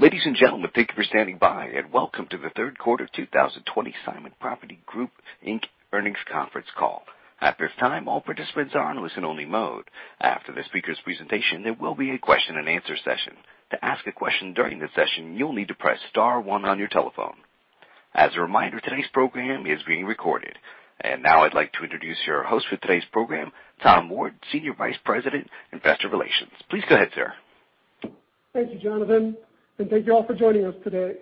Ladies and gentlemen, thank you for standing by. Welcome to the third quarter 2020 Simon Property Group Inc. earnings conference call. At this time, all participants are in listen only mode. After the speaker's presentation, there will be a question and answer session. To ask a question during the session, you'll need to press star one on your telephone. As a reminder, today's program is being recorded. Now I'd like to introduce your host for today's program, Thomas Ward, Senior Vice President, Investor Relations. Please go ahead, sir. Thank you, Jonathan, and thank you all for joining us today.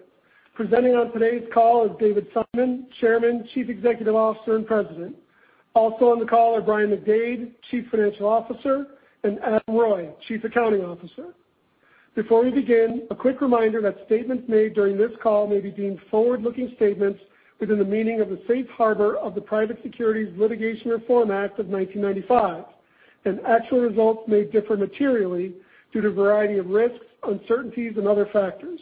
Presenting on today's call is David Simon, Chairman, Chief Executive Officer, and President. Also on the call are Brian McDade, Chief Financial Officer, and Adam Reuille, Chief Accounting Officer. Before we begin, a quick reminder that statements made during this call may be deemed forward-looking statements within the meaning of the safe harbor of the Private Securities Litigation Reform Act of 1995. Actual results may differ materially due to a variety of risks, uncertainties, and other factors.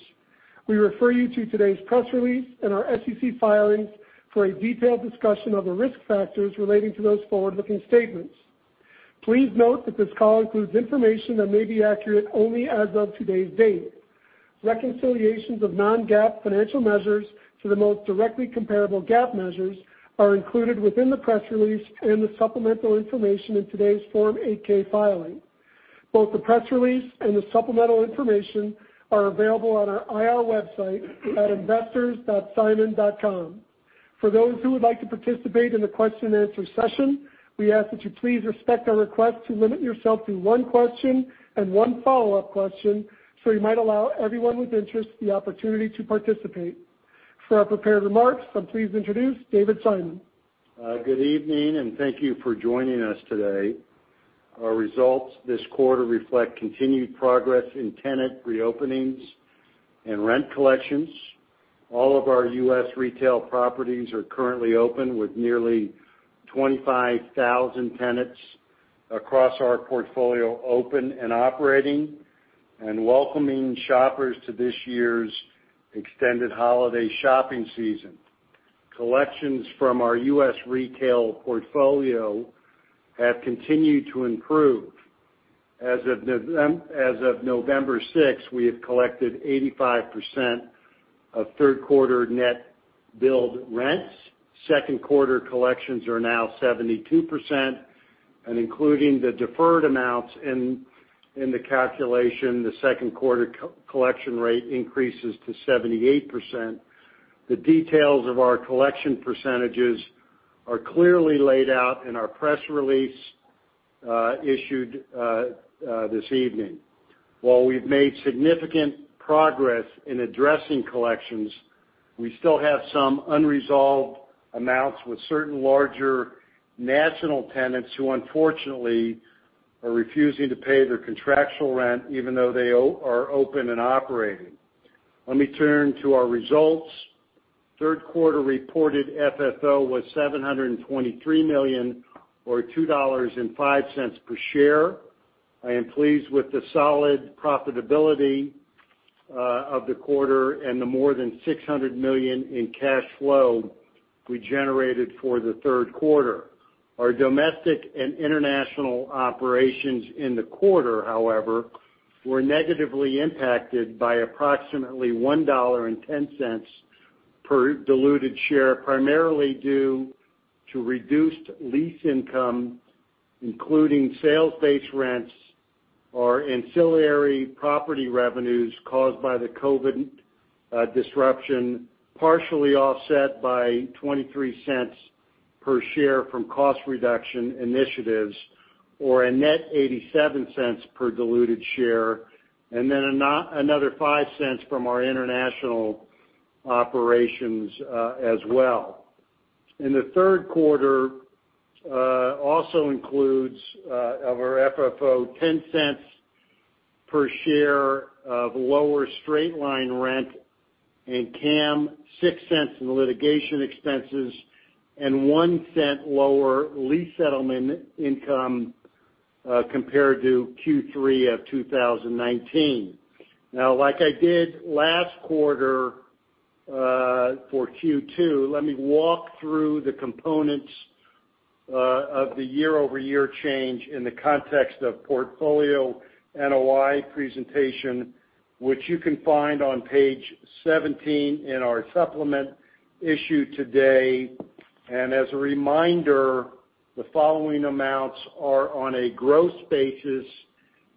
We refer you to today's press release and our SEC filings for a detailed discussion of the risk factors relating to those forward-looking statements. Please note that this call includes information that may be accurate only as of today's date. Reconciliations of non-GAAP financial measures to the most directly comparable GAAP measures are included within the press release and the supplemental information in today's Form 8-K filing. Both the press release and the supplemental information are available on our IR website at investors.simon.com. For those who would like to participate in the question and answer session, we ask that you please respect our request to limit yourself to one question and one follow-up question so you might allow everyone with interest the opportunity to participate. For our prepared remarks, I'm pleased to introduce David Simon. Good evening, and thank you for joining us today. Our results this quarter reflect continued progress in tenant reopenings and rent collections. All of our U.S. retail properties are currently open with nearly 25,000 tenants across our portfolio open and operating and welcoming shoppers to this year's extended holiday shopping season. Collections from our U.S. retail portfolio have continued to improve. As of November 6, we have collected 85% of third quarter net billed rents. Second quarter collections are now 72%, and including the deferred amounts in the calculation, the second quarter collection rate increases to 78%. The details of our collection percentages are clearly laid out in our press release issued this evening. While we've made significant progress in addressing collections, we still have some unresolved amounts with certain larger national tenants who unfortunately are refusing to pay their contractual rent even though they are open and operating. Let me turn to our results. Third quarter reported FFO was $723 million or $2.05 per share. I am pleased with the solid profitability of the quarter and the more than $600 million in cash flow we generated for the third quarter. Our domestic and international operations in the quarter, however, were negatively impacted by approximately $1.10 per diluted share, primarily due to reduced lease income, including sales-based rents or ancillary property revenues caused by the COVID disruption, partially offset by $0.23 per share from cost reduction initiatives or a net $0.87 per diluted share, and then another $0.05 from our international operations as well. The third quarter also includes of our FFO, $0.10 per share of lower straight-line rent and CAM, $0.06 in litigation expenses, and $0.01 lower lease settlement income compared to Q3 of 2019. Now, like I did last quarter for Q2, let me walk through the components of the year-over-year change in the context of portfolio NOI presentation, which you can find on page 17 in our supplement issued today. As a reminder, the following amounts are on a gross basis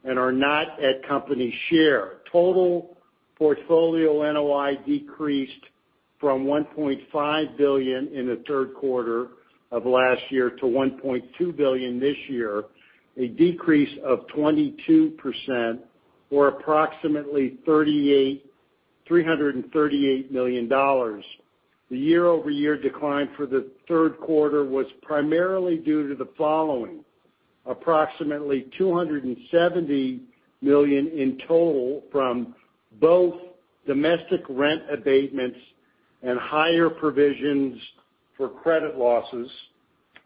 and are not at company share. Total portfolio NOI decreased from $1.5 billion in the third quarter of last year to $1.2 billion this year, a decrease of 22% or approximately $338 million. The year-over-year decline for the third quarter was primarily due to the following, approximately $270 million in total from both domestic rent abatements and higher provisions for credit losses,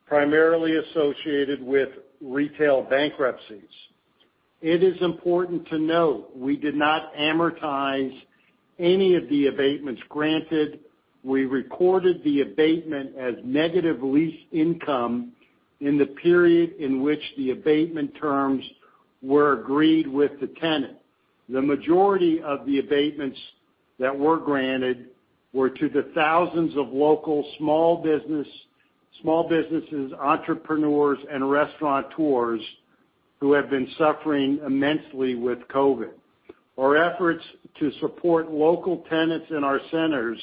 primarily associated with retail bankruptcies. It is important to note we did not amortize any of the abatements granted, we recorded the abatement as negative lease income in the period in which the abatement terms were agreed with the tenant. The majority of the abatements that were granted were to the thousands of local small businesses, entrepreneurs, and restaurateurs who have been suffering immensely with COVID. Our efforts to support local tenants in our centers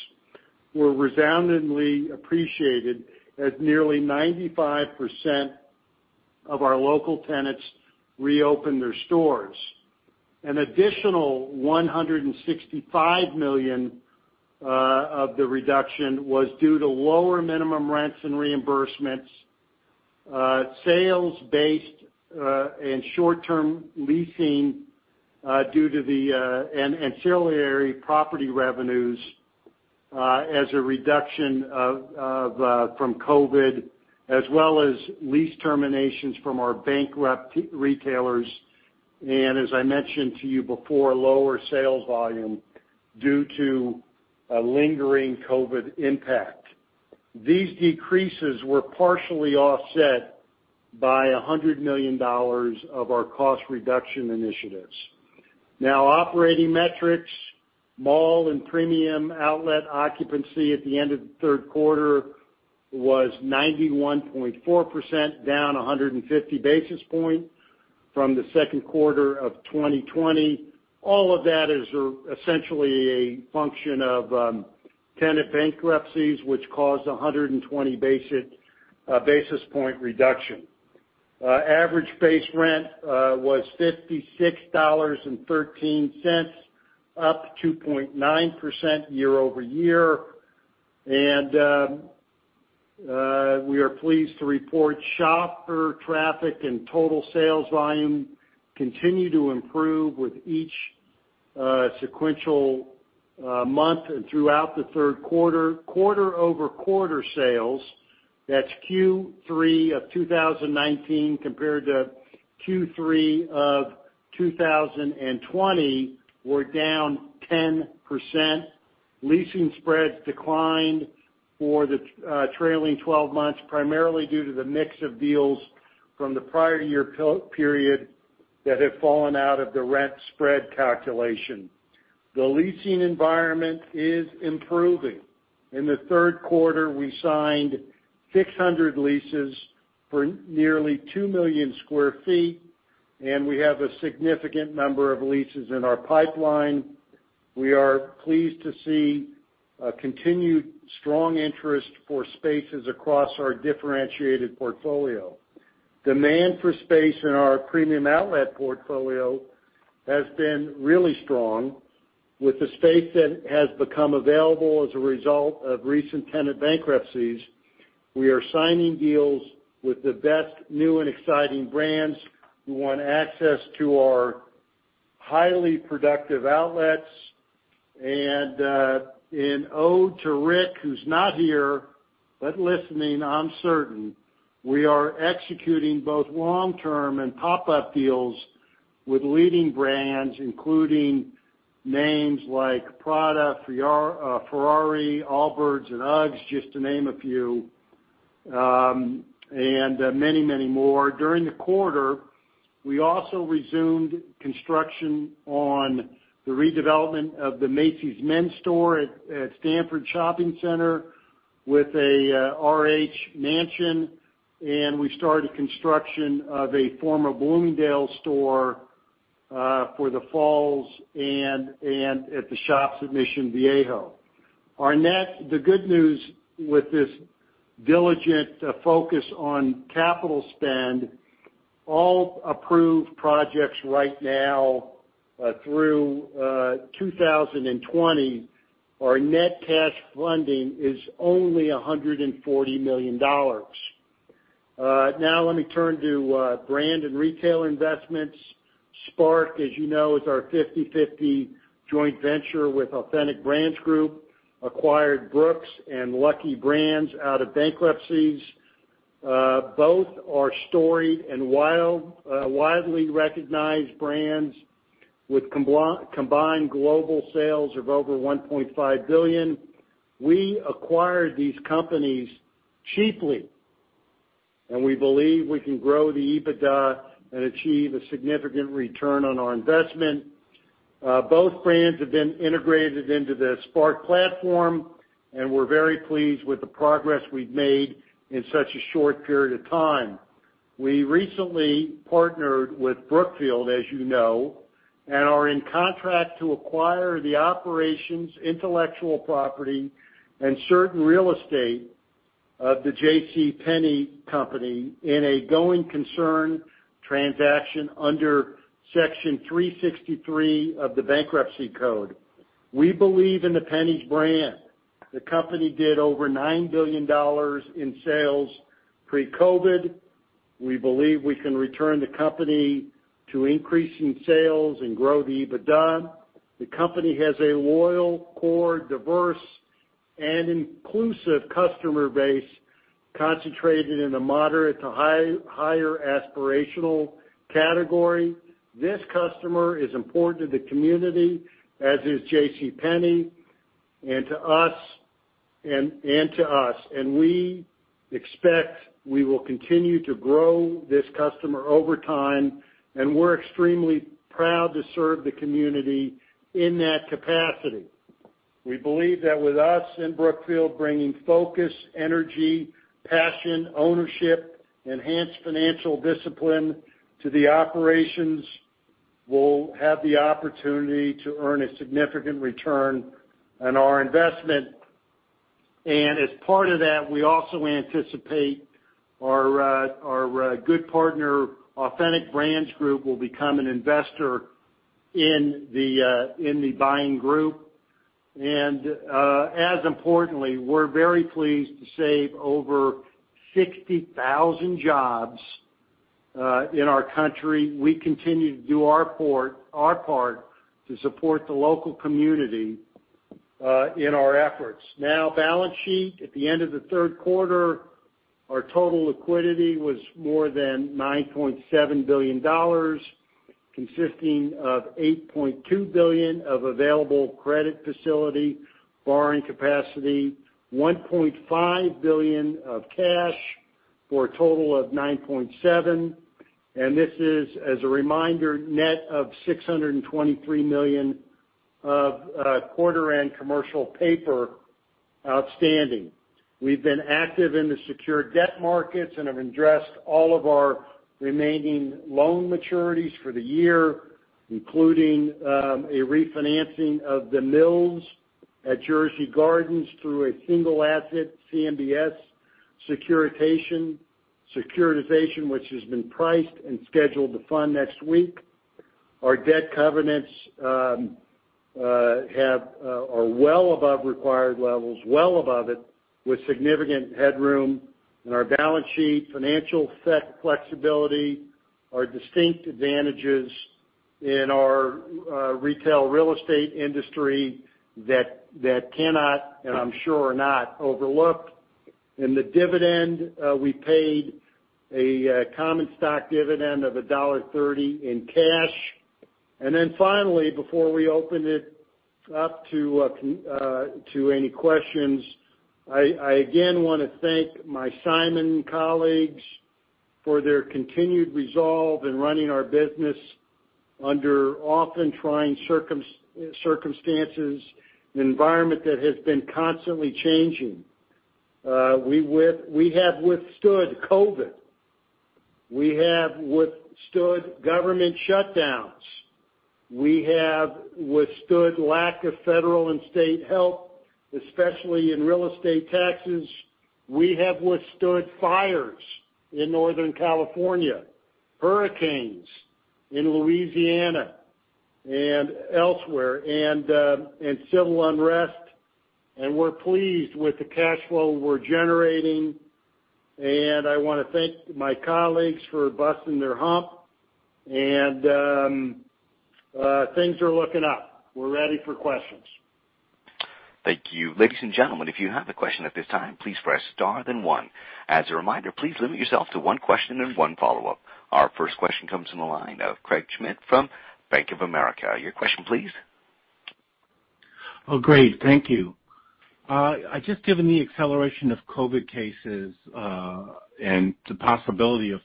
were resoundingly appreciated as nearly 95% of our local tenants reopened their stores. An additional $165 million of the reduction was due to lower minimum rents and reimbursements, sales-based and short-term leasing, and ancillary property revenues as a reduction from COVID, as well as lease terminations from our bankrupt retailers and, as I mentioned to you before, lower sales volume due to a lingering COVID impact. These decreases were partially offset by $100 million of our cost reduction initiatives. Operating metrics. Mall and premium outlet occupancy at the end of the third quarter was 91.4%, down 150 basis points from the second quarter of 2020. All of that is essentially a function of tenant bankruptcies, which caused 120 basis point reduction. Average base rent was $56.13, up 2.9% year-over-year. We are pleased to report shopper traffic and total sales volume continue to improve with each sequential month and throughout the third quarter. Quarter-over-quarter sales, that's Q3 of 2019 compared to Q3 of 2020, were down 10%. Leasing spreads declined for the trailing 12 months, primarily due to the mix of deals from the prior year period that have fallen out of the rent spread calculation. The leasing environment is improving. In the third quarter, we signed 600 leases for nearly 2 million square feet. We have a significant number of leases in our pipeline. We are pleased to see a continued strong interest for spaces across our differentiated portfolio. Demand for space in our premium outlet portfolio has been really strong. With the space that has become available as a result of recent tenant bankruptcies, we are signing deals with the best new and exciting brands who want access to our highly productive outlets. In ode to Rick, who's not here, but listening, I'm certain, we are executing both long-term and pop-up deals with leading brands, including names like Prada, Ferrari, Allbirds, and UGG, just to name a few, and many more. During the quarter, we also resumed construction on the redevelopment of the Macy's men's store at Stanford Shopping Center with a RH Mansion. We started construction of a former Bloomingdale's store for the Falls and at the Shops at Mission Viejo. The good news with this diligent focus on capital spend, all approved projects right now through 2020, our net cash funding is only $140 million. Now let me turn to brand and retail investments. SPARC Group, as you know, is our 50-50 joint venture with Authentic Brands Group, acquired Brooks Brothers and Lucky Brand out of bankruptcies. Both are storied and widely recognized brands with combined global sales of over $1.5 billion. We acquired these companies cheaply, and we believe we can grow the EBITDA and achieve a significant return on our investment. Both brands have been integrated into the SPARC Group platform, and we're very pleased with the progress we've made in such a short period of time. We recently partnered with Brookfield, as you know, and are in contract to acquire the operations, intellectual property, and certain real estate of the J.C. JCPenney in a going concern transaction under Section 363 of the Bankruptcy Code. We believe in the Penney's brand. The company did over $9 billion in sales pre-COVID. We believe we can return the company to increasing sales and grow the EBITDA. The company has a loyal, core, diverse and inclusive customer base concentrated in the moderate to higher aspirational category. This customer is important to the community, as is JCPenney, and to us. We expect we will continue to grow this customer over time, and we're extremely proud to serve the community in that capacity. We believe that with us and Brookfield bringing focus, energy, passion, ownership, enhanced financial discipline to the operations, we'll have the opportunity to earn a significant return on our investment. As part of that, we also anticipate our good partner, Authentic Brands Group, will become an investor in the buying group. As importantly, we're very pleased to save over 60,000 jobs in our country. We continue to do our part to support the local community in our efforts. Balance sheet. At the end of the third quarter, our total liquidity was more than $9.7 billion, consisting of $8.2 billion of available credit facility, borrowing capacity, $1.5 billion of cash, for a total of $9.7 billion. This is, as a reminder, net of $623 million of quarter-end commercial paper outstanding. We've been active in the secure debt markets and have addressed all of our remaining loan maturities for the year, including a refinancing of The Mills at Jersey Gardens through a single asset CMBS securitization which has been priced and scheduled to fund next week. Our debt covenants are well above required levels, well above it, with significant headroom in our balance sheet, financial flexibility, our distinct advantages in our retail real estate industry that cannot, and I'm sure are not, overlooked. In the dividend, we paid a common stock dividend of $1.30 in cash. Finally, before we open it up to any questions, I again want to thank my Simon colleagues for their continued resolve in running our business under often trying circumstances, an environment that has been constantly changing. We have withstood COVID. We have withstood government shutdowns. We have withstood lack of federal and state help, especially in real estate taxes. We have withstood fires in Northern California, hurricanes in Louisiana and elsewhere, and civil unrest. We're pleased with the cash flow we're generating. I want to thank my colleagues for busting their hump. Things are looking up. We're ready for questions. Thank you. Ladies and gentlemen, if you have a question at this time, please press star then one. As a reminder, please limit yourself to one question and one follow-up. Our first question comes from the line of Craig Schmidt from Bank of America. Your question, please. Oh, great. Thank you. Just given the acceleration of COVID cases, and the possibility of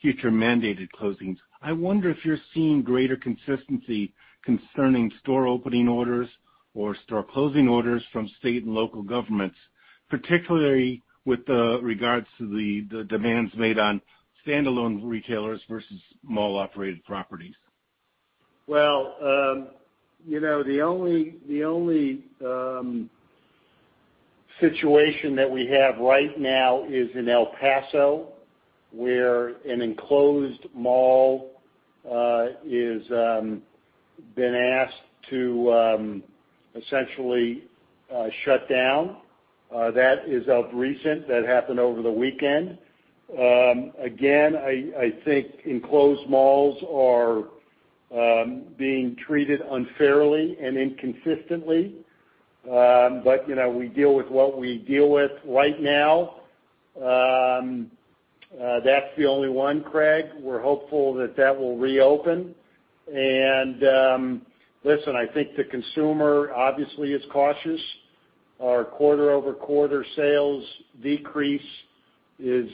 future mandated closings, I wonder if you're seeing greater consistency concerning store opening orders or store closing orders from state and local governments, particularly with regards to the demands made on standalone retailers versus mall-operated properties? Well, the only situation that we have right now is in El Paso, where an enclosed mall has been asked to essentially shut down. That is of recent. That happened over the weekend. I think enclosed malls are being treated unfairly and inconsistently. We deal with what we deal with right now. That's the only one, Craig. We're hopeful that that will reopen. Listen, I think the consumer obviously is cautious. Our quarter-over-quarter sales decrease is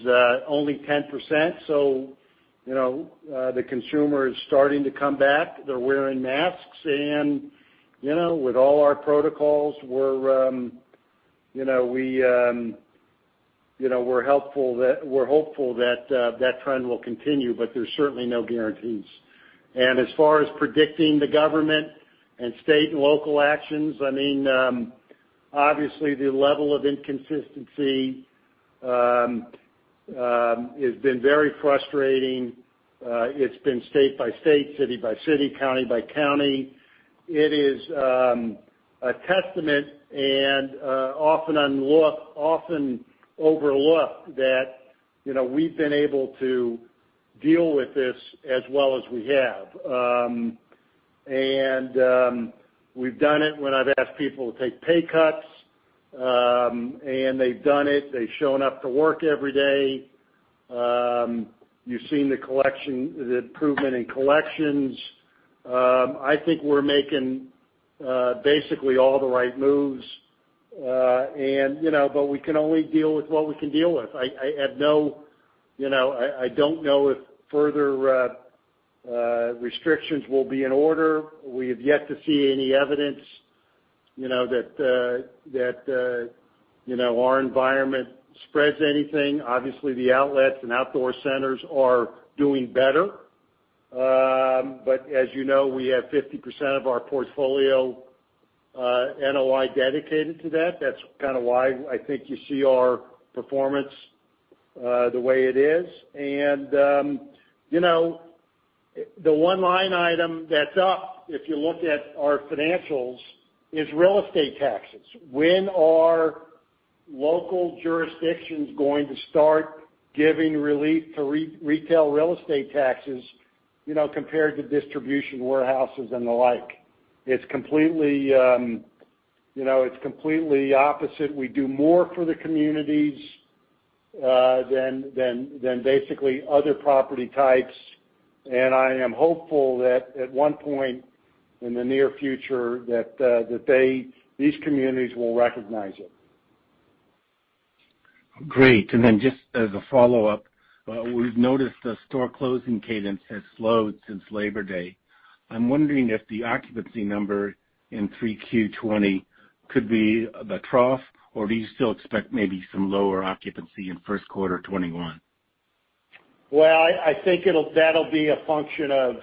only 10%. The consumer is starting to come back. They're wearing masks. With all our protocols, we're hopeful that trend will continue. There's certainly no guarantees. As far as predicting the government and state and local actions, obviously the level of inconsistency has been very frustrating. It's been state by state, city by city, county by county. It is a testament, and often overlooked, that we've been able to deal with this as well as we have. We've done it when I've asked people to take pay cuts, and they've done it. They've shown up to work every day. You've seen the improvement in collections. I think we're making basically all the right moves, but we can only deal with what we can deal with. I don't know if further restrictions will be in order. We have yet to see any evidence that our environment spreads anything. Obviously, the outlets and outdoor centers are doing better. As you know, we have 50% of our portfolio NOI dedicated to that. That's kind of why I think you see our performance the way it is. The one line item that's up, if you look at our financials, is real estate taxes. When are local jurisdictions going to start giving relief to retail real estate taxes, compared to distribution warehouses and the like? It's completely opposite. We do more for the communities than basically other property types, and I am hopeful that at one point in the near future that these communities will recognize it. Great. Just as a follow-up, we've noticed the store closing cadence has slowed since Labor Day. I'm wondering if the occupancy number in 3Q20 could be the trough, or do you still expect maybe some lower occupancy in first quarter 2021? Well, I think that'll be a function of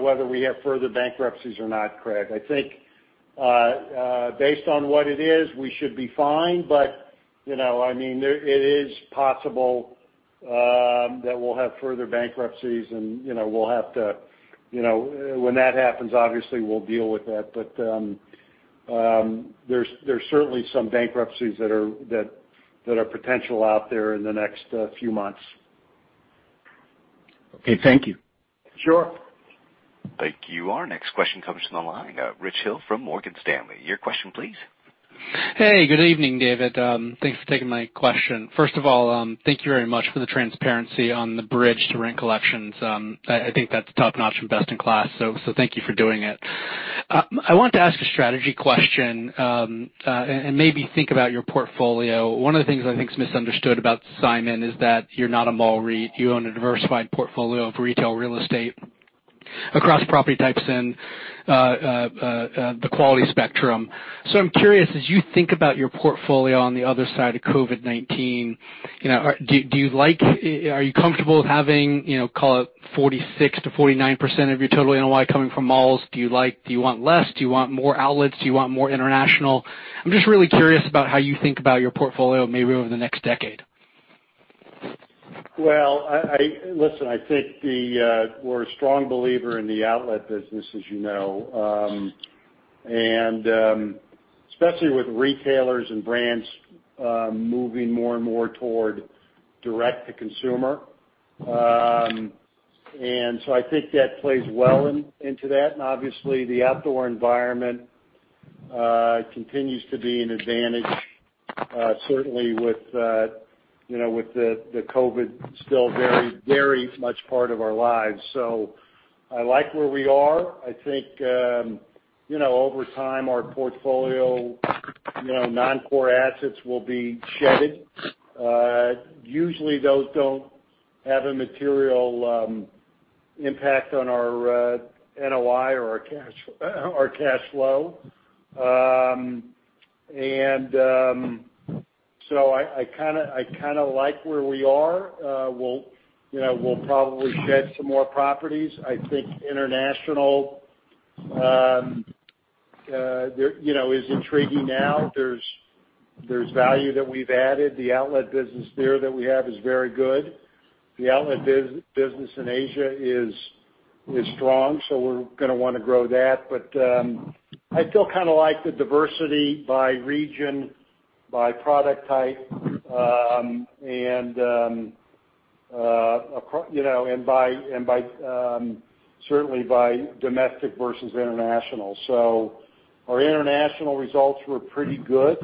whether we have further bankruptcies or not, Craig. I think based on what it is, we should be fine, but it is possible that we'll have further bankruptcies and when that happens, obviously, we'll deal with that. There's certainly some bankruptcies that are potential out there in the next few months. Okay, thank you. Sure. Thank you. Our next question comes from the line, Richard Hill from Morgan Stanley. Your question, please. Hey, good evening, David. Thanks for taking my question. First of all, thank you very much for the transparency on the bridge to rent collections. I think that's top-notch and best in class, thank you for doing it. I want to ask a strategy question, maybe think about your portfolio. One of the things I think is misunderstood about Simon is that you're not a mall REIT. You own a diversified portfolio of retail real estate across property types and the quality spectrum. I'm curious, as you think about your portfolio on the other side of COVID-19, are you comfortable having, call it 46%-49% of your total NOI coming from malls? Do you want less? Do you want more outlets? Do you want more international? I'm just really curious about how you think about your portfolio maybe over the next decade. Well, listen, I think we're a strong believer in the outlet business, as you know, especially with retailers and brands moving more and more toward direct to consumer. I think that plays well into that. Obviously, the outdoor environment continues to be an advantage, certainly with the COVID still very much part of our lives. I like where we are. I think over time, our portfolio non-core assets will be shedded. Usually, those don't have a material impact on our NOI or our cash flow. I kind of like where we are. We'll probably shed some more properties. I think international is intriguing now. There's value that we've added. The outlet business there that we have is very good. The outlet business in Asia is strong, so we're going to want to grow that. I feel kind of like the diversity by region, by product type, and certainly by domestic versus international. Our international results were pretty good.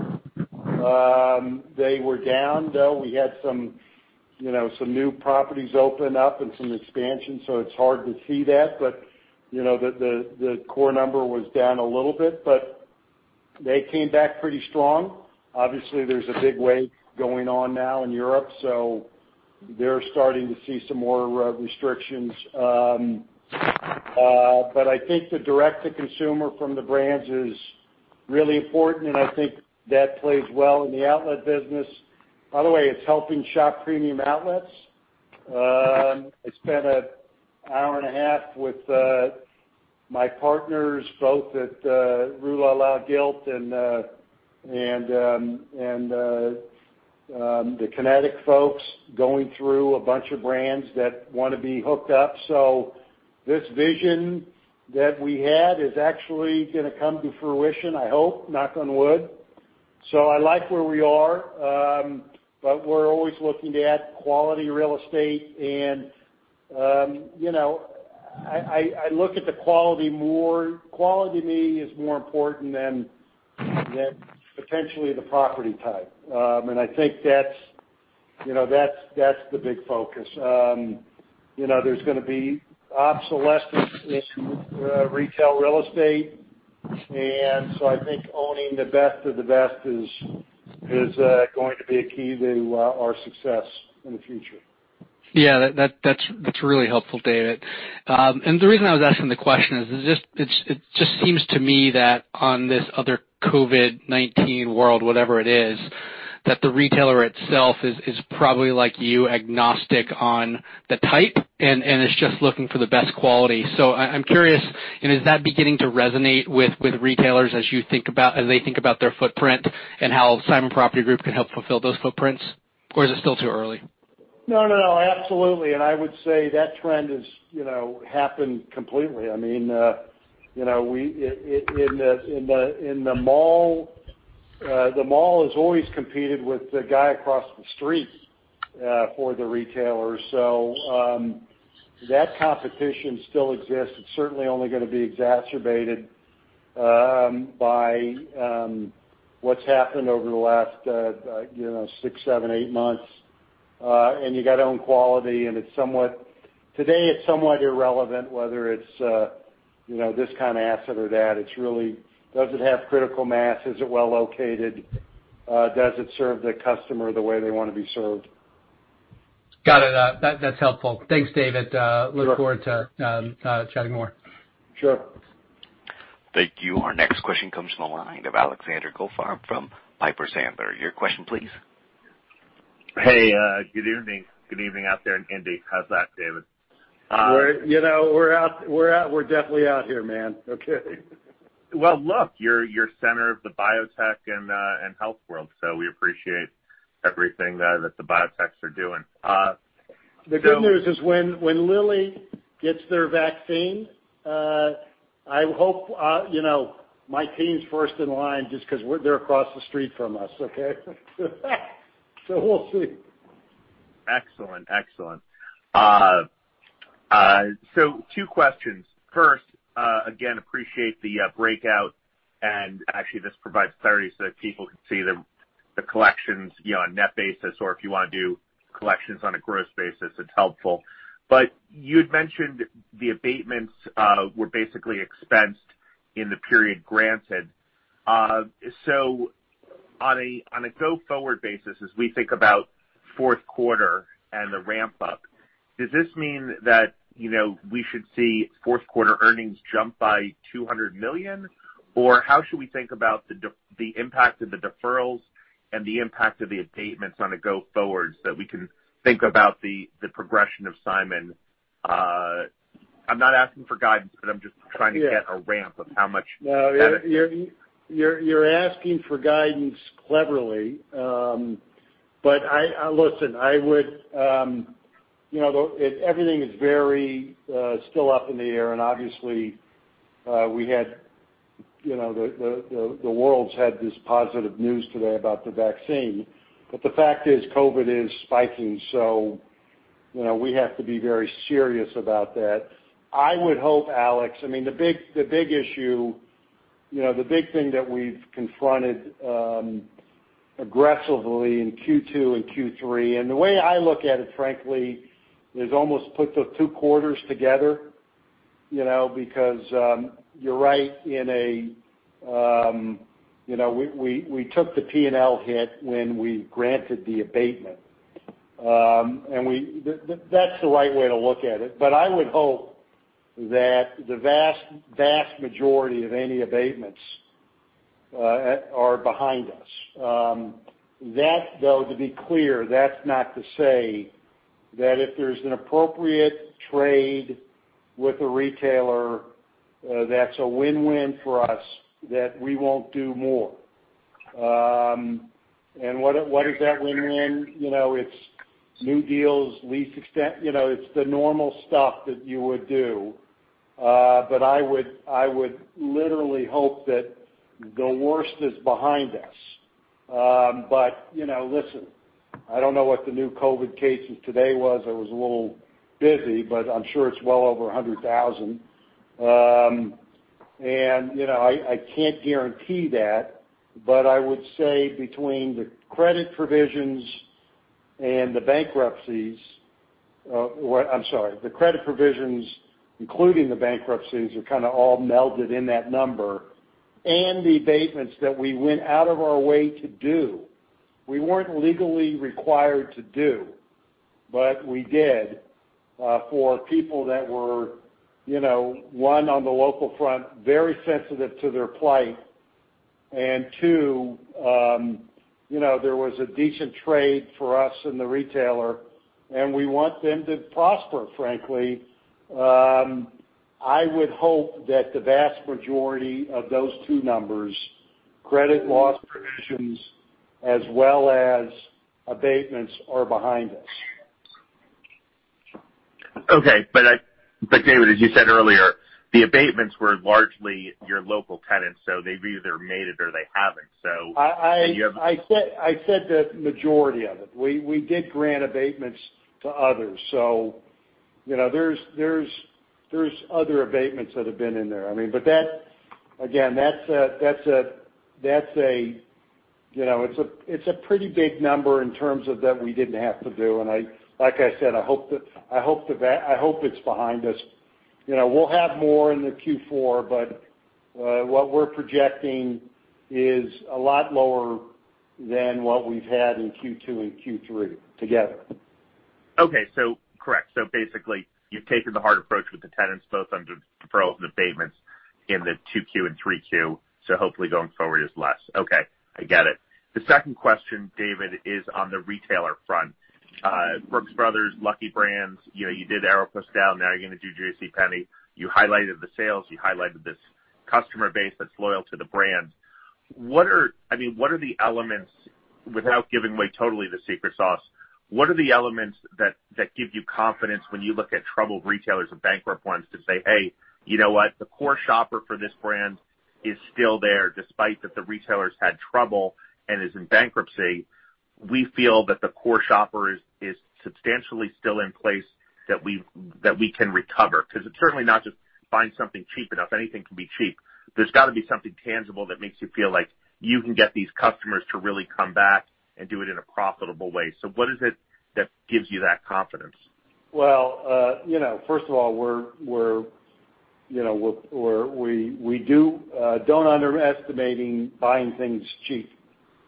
They were down, though. We had some new properties open up and some expansion, so it's hard to see that. The core number was down a little bit, but they came back pretty strong. Obviously, there's a big wave going on now in Europe, so they're starting to see some more restrictions. I think the direct to consumer from the brands is really important, and I think that plays well in the outlet business. By the way, it's helping Shop Premium Outlets. I spent an hour and a half with my partners, both at Rue La La, Gilt, and the Kynetic folks going through a bunch of brands that want to be hooked up. This vision that we had is actually going to come to fruition, I hope, knock on wood. I like where we are, but we're always looking to add quality real estate. I look at the quality more. Quality to me is more important than potentially the property type. I think that's the big focus. There's going to be obsolescence in retail real estate. I think owning the best of the best is going to be a key to our success in the future. Yeah. That's really helpful, David. The reason I was asking the question is, it just seems to me that on this other COVID-19 world, whatever it is, that the retailer itself is probably like you, agnostic on the type, and is just looking for the best quality. I'm curious, is that beginning to resonate with retailers as they think about their footprint and how Simon Property Group can help fulfill those footprints? Or is it still too early? No, absolutely. I would say that trend has happened completely. In the mall, the mall has always competed with the guy across the street, for the retailers. That competition still exists. It's certainly only going to be exacerbated by what's happened over the last six, seven, eight months. You got to own quality, and today it's somewhat irrelevant whether it's this kind of asset or that. It's really, does it have critical mass? Is it well located? Does it serve the customer the way they want to be served? Got it. That's helpful. Thanks, David. Sure. Look forward to chatting more. Sure. Thank you. Our next question comes from the line of Alexander Goldfarb from Piper Sandler. Your question, please. Hey, good evening. Good evening out there in Indy. How's that, David? We're definitely out here, man. Okay. Look, you're center of the biotech and health world, so we appreciate everything that the biotechs are doing. The good news is when Lilly gets their vaccine, I hope my team's first in line just because they're across the street from us. Okay? We'll see. Excellent. Two questions. First, again, appreciate the breakout, and actually this provides clarity so that people can see the collections on net basis or if you want to do collections on a gross basis, it's helpful. You'd mentioned the abatements were basically expensed in the period granted. On a go forward basis, as we think about fourth quarter and the ramp up, does this mean that we should see fourth quarter earnings jump by $200 million? How should we think about the impact of the deferrals and the impact of the abatements on a go forward so that we can think about the progression of Simon? I'm not asking for guidance, but I'm just trying to get a ramp of how much that- No, you're asking for guidance cleverly. Listen, everything is very still up in the air, and obviously, the world's had this positive news today about the vaccine. The fact is, COVID is spiking, so we have to be very serious about that. I would hope, Alex, the big thing that we've confronted aggressively in Q2 and Q3, and the way I look at it, frankly, is almost put those two quarters together because you're right. We took the P&L hit when we granted the abatement. That's the right way to look at it. I would hope that the vast majority of any abatements are behind us. That, though, to be clear, that's not to say that if there's an appropriate trade with a retailer that's a win-win for us, that we won't do more. What is that win-win? It's new deals, lease extent. It's the normal stuff that you would do. I would literally hope that the worst is behind us. Listen, I don't know what the new COVID cases today was. I was a little busy, but I'm sure it's well over 100,000. I can't guarantee that, but I would say between the credit provisions and the bankruptcies, I'm sorry, the credit provisions, including the bankruptcies, are kind of all melded in that number, and the abatements that we went out of our way to do, we weren't legally required to do, but we did, for people that were, one, on the local front, very sensitive to their plight, and two, there was a decent trade for us and the retailer, and we want them to prosper, frankly. I would hope that the vast majority of those two numbers, credit loss provisions as well as abatements, are behind us. Okay. David, as you said earlier, the abatements were largely your local tenants, so they've either made it or they haven't. Do you have I said the majority of it. We did grant abatements to others. There's other abatements that have been in there. Again, it's a pretty big number in terms of that we didn't have to do, and like I said, I hope it's behind us. We'll have more in the Q4, but what we're projecting is a lot lower than what we've had in Q2 and Q3 together. Okay. Correct. Basically, you've taken the hard approach with the tenants, both on deferrals and abatements in the 2Q and 3Q, hopefully going forward is less. Okay. I get it. The second question, David, is on the retailer front. Brooks Brothers, Lucky Brand, you did Aéropostale, now you're going to do JCPenney. You highlighted the sales, you highlighted this customer base that's loyal to the brand. What are the elements, without giving away totally the secret sauce, what are the elements that give you confidence when you look at troubled retailers and bankrupt ones to say, "Hey, you know what. The core shopper for this brand is still there despite that the retailer's had trouble and is in bankruptcy. We feel that the core shopper is substantially still in place that we can recover."? Because it's certainly not just find something cheap enough. Anything can be cheap. There's got to be something tangible that makes you feel like you can get these customers to really come back and do it in a profitable way. What is it that gives you that confidence? Well, first of all, we don't underestimate buying things cheap,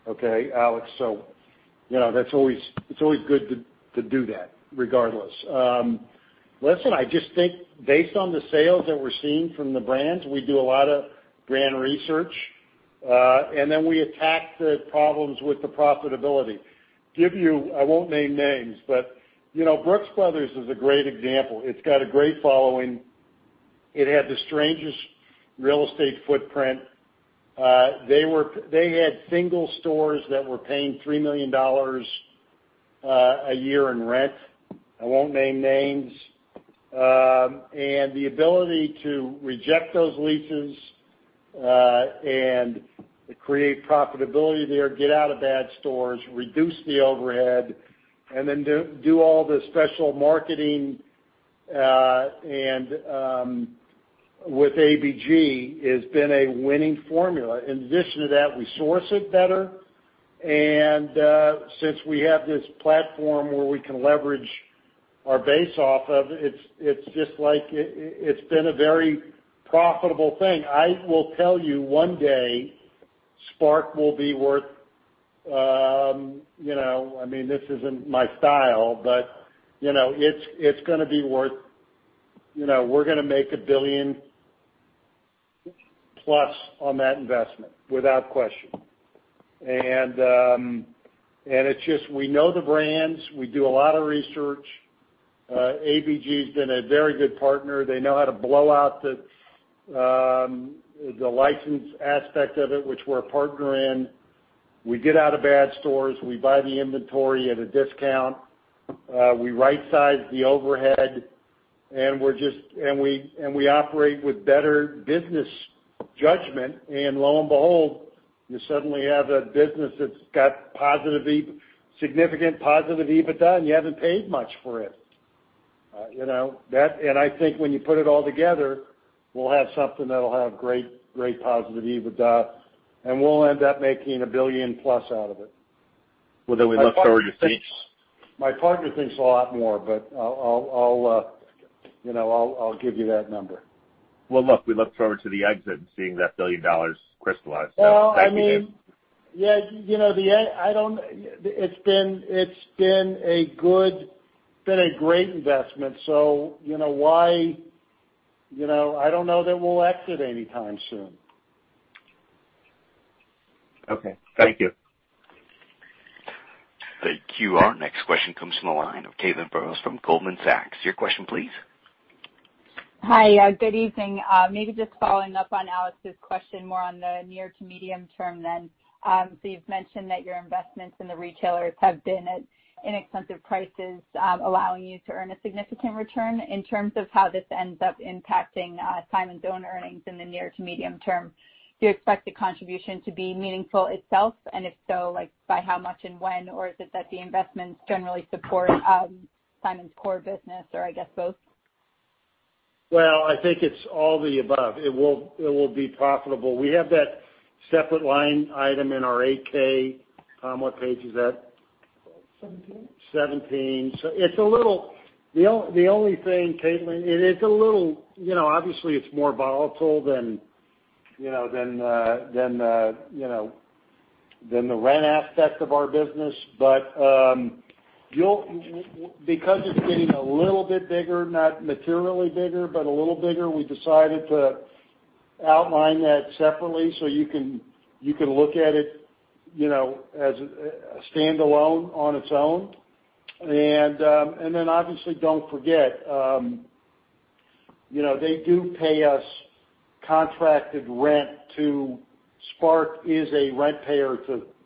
okay, Alex? It's always good to do that regardless. Listen, I just think based on the sales that we're seeing from the brands, we do a lot of brand research, then we attack the problems with the profitability. Give you, I won't name names, Brooks Brothers is a great example. It's got a great following. It had the strangest real estate footprint. They had single stores that were paying $3 million a year in rent. I won't name names. The ability to reject those leases, and create profitability there, get out of bad stores, reduce the overhead, then do all the special marketing, with ABG, has been a winning formula. In addition to that, we source it better, and since we have this platform where we can leverage our base off of, it's been a very profitable thing. I will tell you, one day, SPARC will be worth. We're going to make $1 billion plus on that investment, without question. It's just we know the brands. We do a lot of research. ABG has been a very good partner. They know how to blow out the license aspect of it, which we're a partner in. We get out of bad stores. We buy the inventory at a discount. We rightsize the overhead, and we operate with better business judgment, and lo and behold, you suddenly have a business that's got significant positive EBITDA, and you haven't paid much for it. I think when you put it all together, we'll have something that'll have great positive EBITDA, and we'll end up making $1 billion+ out of it. Well, we look forward to seeing. My partner thinks a lot more, but I'll give you that number. Well, look, we look forward to the exit and seeing that $1 billion crystallize. Thank you, David. It's been a great investment, so I don't know that we'll exit anytime soon. Okay. Thank you. Thank you. Our next question comes from the line of Caitlin Burrows from Goldman Sachs. Your question, please. Hi. Good evening. Maybe just following up on Alex's question more on the near to medium term. You've mentioned that your investments in the retailers have been at inexpensive prices, allowing you to earn a significant return. In terms of how this ends up impacting Simon's own earnings in the near to medium term, do you expect the contribution to be meaningful itself? If so, by how much and when? Is it that the investments generally support Simon's core business, or I guess both? I think it's all the above. It will be profitable. We have that separate line item in our 8-K. Tom, what page is that? 17. 17. The only thing, Caitlin, obviously, it's more volatile than the rent aspect of our business. Because it's getting a little bit bigger, not materially bigger, but a little bigger, we decided to outline that separately so you can look at it as a standalone on its own. Obviously, don't forget, SPARC is a rent payer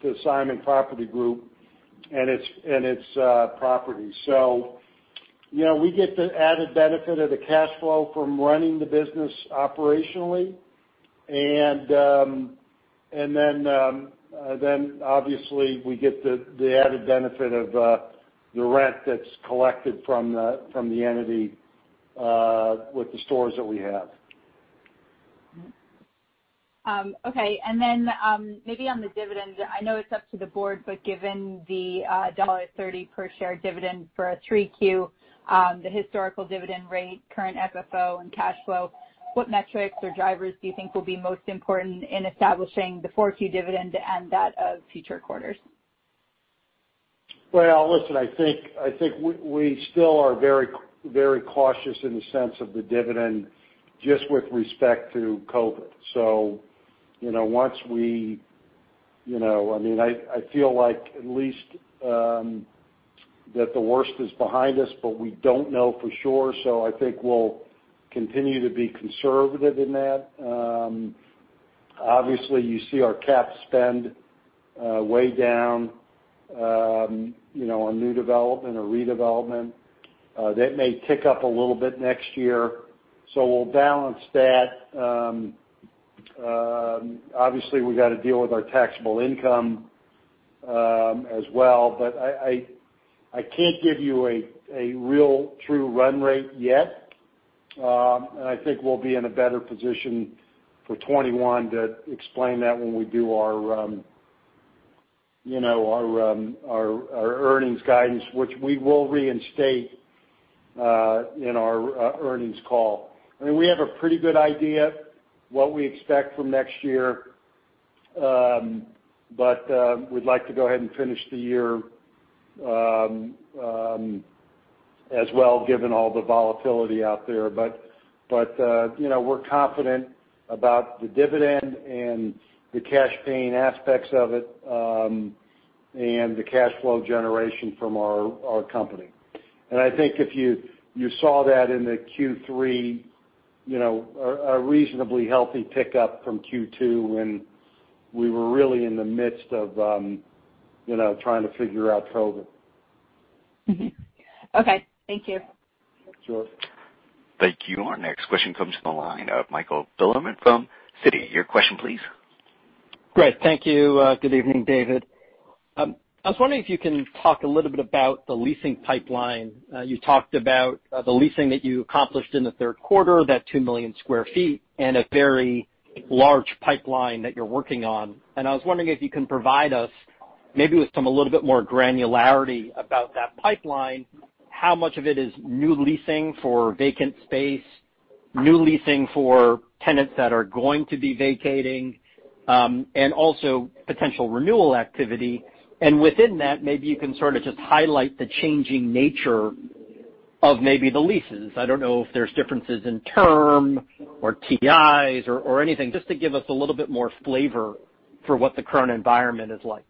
to Simon Property Group and its properties. We get the added benefit of the cash flow from running the business operationally, obviously we get the added benefit of the rent that's collected from the entity with the stores that we have. Okay. Maybe on the dividend, I know it's up to the board, but given the $1.30 per share dividend for a 3Q, the historical dividend rate, current FFO, and cash flow, what metrics or drivers do you think will be most important in establishing the 4Q dividend and that of future quarters? Well, listen, I think we still are very cautious in the sense of the dividend, just with respect to COVID. I feel like at least that the worst is behind us, we don't know for sure. I think we'll continue to be conservative in that. Obviously, you see our cap spend way down on new development or redevelopment. That may tick up a little bit next year. We'll balance that. Obviously, we've got to deal with our taxable income as well. I can't give you a real true run rate yet. I think we'll be in a better position for 2021 to explain that when we do our earnings guidance, which we will reinstate in our earnings call. We have a pretty good idea what we expect from next year. We'd like to go ahead and finish the year as well, given all the volatility out there. We're confident about the dividend and the cash paying aspects of it, and the cash flow generation from our company. I think if you saw that in the Q3, a reasonably healthy pickup from Q2 when we were really in the midst of trying to figure out COVID. Okay. Thank you. Sure. Thank you. Our next question comes from the line of Michael Bilerman from Citi. Your question, please. Great. Thank you. Good evening, David. I was wondering if you can talk a little bit about the leasing pipeline. You talked about the leasing that you accomplished in the third quarter, that 2 million square feet, and a very large pipeline that you're working on. I was wondering if you can provide us, maybe with some little bit more granularity about that pipeline, how much of it is new leasing for vacant space, new leasing for tenants that are going to be vacating, and also potential renewal activity. Within that, maybe you can sort of just highlight the changing nature of maybe the leases. I don't know if there's differences in term or TIs or anything, just to give us a little bit more flavor for what the current environment is like.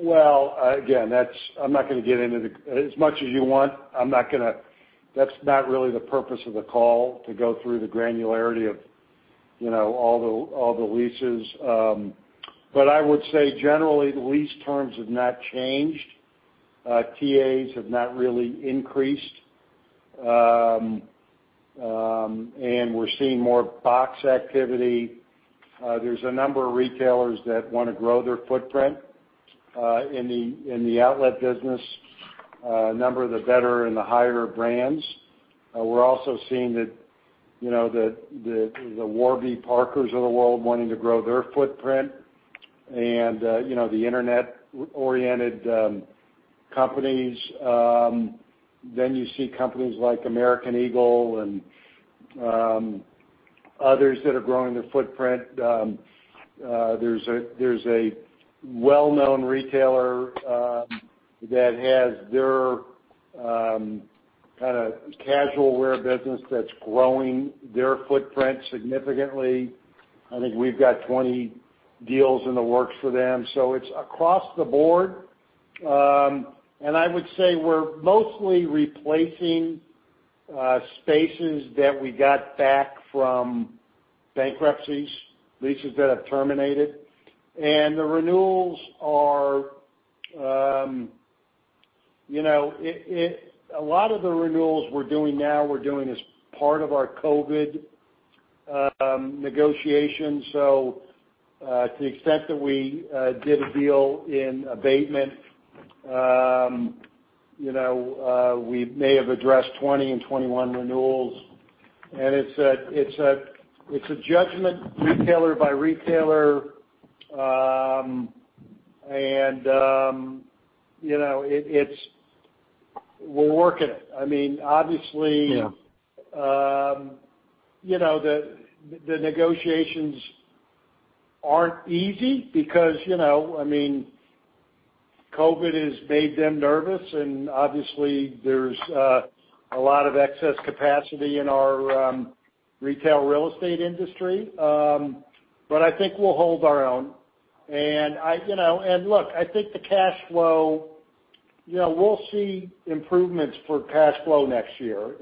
Well, again, I'm not going to get into as much as you want, that's not really the purpose of the call to go through the granularity of all the leases. I would say generally, the lease terms have not changed. TIs have not really increased. We're seeing more box activity. There's a number of retailers that want to grow their footprint in the outlet business, a number of the better and the higher brands. We're also seeing the Warby Parker of the world wanting to grow their footprint and the internet-oriented companies. You see companies like American Eagle and others that are growing their footprint. There's a well-known retailer that has their kind of casual wear business that's growing their footprint significantly. I think we've got 20 deals in the works for them. It's across the board. I would say we're mostly replacing spaces that we got back from bankruptcies, leases that have terminated. A lot of the renewals we're doing now, we're doing as part of our COVID negotiation. To the extent that we did a deal in abatement, we may have addressed 2020 and 2021 renewals. It's a judgment retailer by retailer. We're working it. Yeah The negotiations aren't easy because COVID has made them nervous, obviously there's a lot of excess capacity in our retail real estate industry. I think we'll hold our own. Look, I think the cash flow, we'll see improvements for cash flow next year.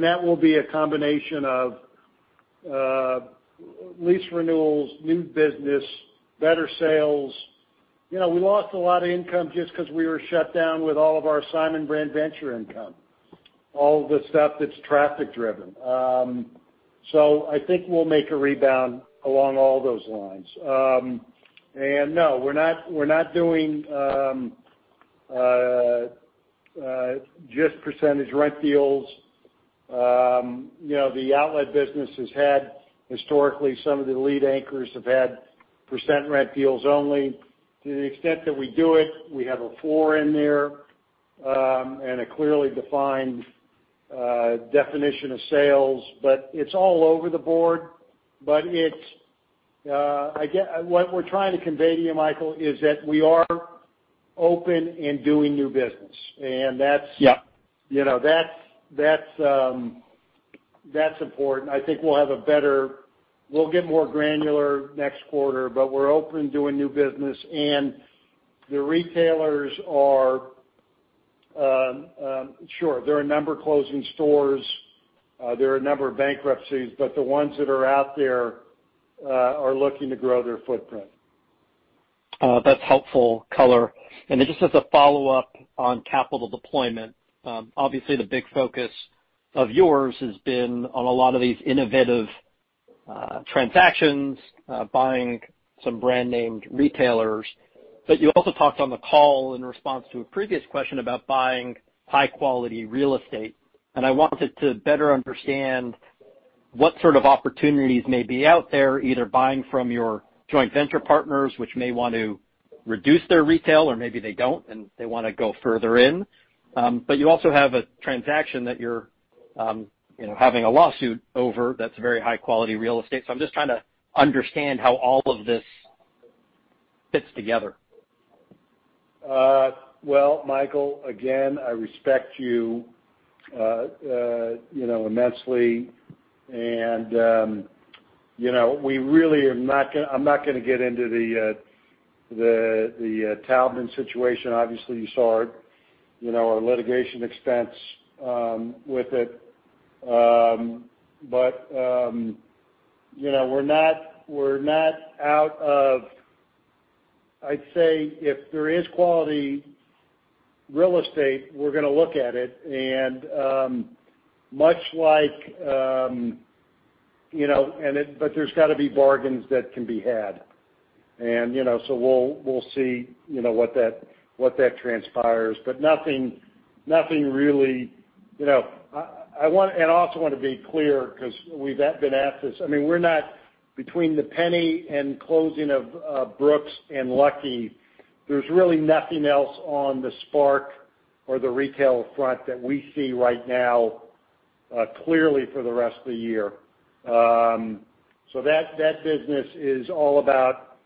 That will be a combination of lease renewals, new business, better sales. We lost a lot of income just because we were shut down with all of our Simon Brand Ventures income, all of the stuff that's traffic driven. I think we'll make a rebound along all those lines. No, we're not doing just percentage rent deals. The outlet business has had, historically, some of the lead anchors have had percent rent deals only. To the extent that we do it, we have a four in there, and a clearly defined definition of sales. It's all over the board. What we're trying to convey to you, Michael, is that we are open and doing new business. Yep that's important. I think we'll get more granular next quarter, but we're open to doing new business, and the retailers are Sure, there are a number of closing stores, there are a number of bankruptcies, but the ones that are out there are looking to grow their footprint. That's helpful color. Just as a follow-up on capital deployment, obviously the big focus of yours has been on a lot of these innovative transactions, buying some brand-named retailers. You also talked on the call in response to a previous question about buying high quality real estate. I wanted to better understand what sort of opportunities may be out there, either buying from your joint venture partners, which may want to reduce their retail, or maybe they don't, and they want to go further in. You also have a transaction that you're having a lawsuit over that's very high quality real estate. I'm just trying to understand how all of this fits together. Well, Michael, again, I respect you immensely, and I'm not going to get into the Taubman situation. Obviously, you saw our litigation expense with it. We're not out of, I'd say if there is quality real estate, we're going to look at it. We'll see what that transpires, but nothing really. I also want to be clear because we've been asked this. Between the JCPenney and closing of Brooks Brothers and Lucky Brand, there's really nothing else on the SPARC or the retail front that we see right now clearly for the rest of the year. That business is all about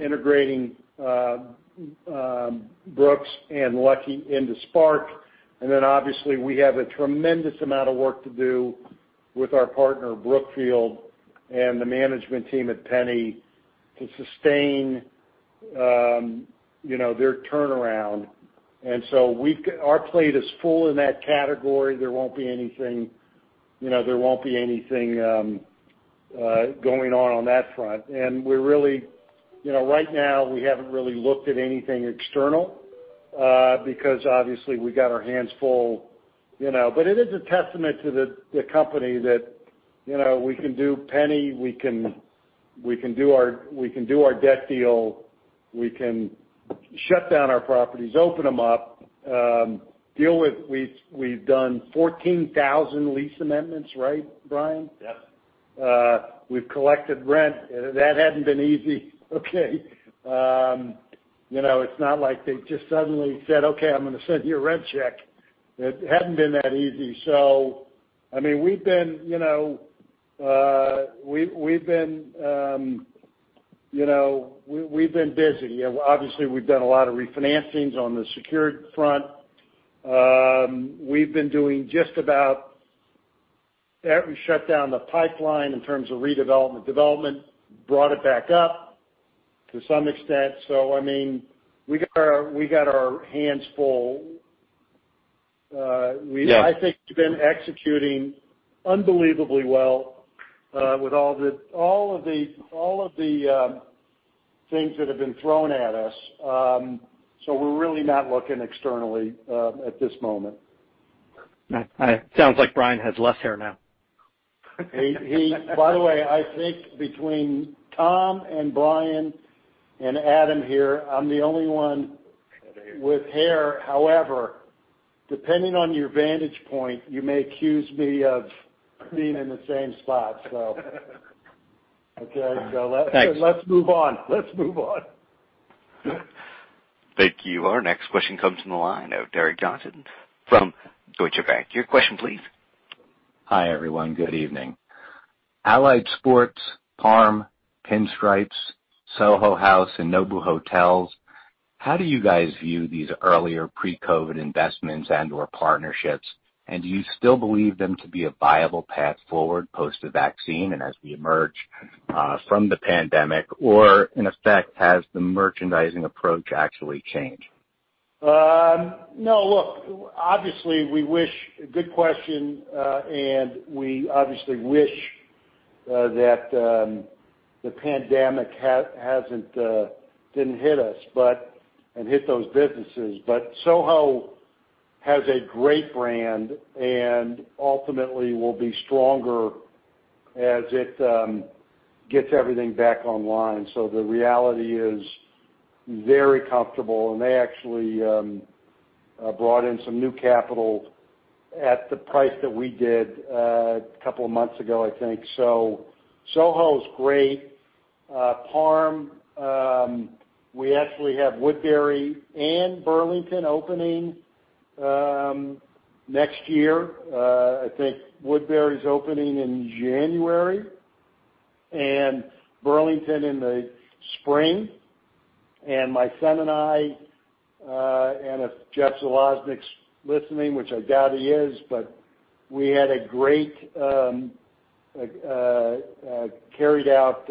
integrating Brooks Brothers and Lucky Brand into SPARC. Obviously we have a tremendous amount of work to do with our partner, Brookfield, and the management team at JCPenney to sustain their turnaround. Our plate is full in that category. There won't be anything going on on that front. Right now, we haven't really looked at anything external, because obviously we got our hands full. It is a testament to the company that we can do Penney, we can do our debt deal, we can shut down our properties, open them up. We've done 14,000 lease amendments, right, Brian? Yes. We've collected rent. That hadn't been easy, okay? It's not like they just suddenly said, "Okay, I'm going to send you a rent check." It hadn't been that easy. We've been busy. Obviously, we've done a lot of refinancings on the secured front. We shut down the pipeline in terms of redevelopment. Development brought it back up to some extent. We got our hands full. Yeah. I think we've been executing unbelievably well with all of the things that have been thrown at us. We're really not looking externally at this moment. Sounds like Brian has less hair now. By the way, I think between Tom and Brian and Adam here, I'm the only one with hair. However, depending on your vantage point, you may accuse me of being in the same spot. Okay. Thanks. Let's move on. Thank you. Our next question comes from the line of Derek Johnston from Deutsche Bank. Your question, please. Hi, everyone. Good evening. Allied Sports, Parm, Pinstripes, Soho House, and Nobu Hotels. How do you guys view these earlier pre-COVID investments and, or partnerships? Do you still believe them to be a viable path forward post the vaccine and as we emerge from the pandemic? In effect, has the merchandising approach actually changed? No. Look, good question. We obviously wish that the pandemic didn't hit us and hit those businesses. Soho House has a great brand and ultimately will be stronger as it gets everything back online. The reality is very comfortable, and they actually brought in some new capital at the price that we did a couple of months ago, I think. Soho House's great. Parm, we actually have Woodbury and Burlington opening next year. I think Woodbury's opening in January and Burlington in the spring. My son and I, if Jeff Zalaznik's listening, which I doubt he is, we had a great carried out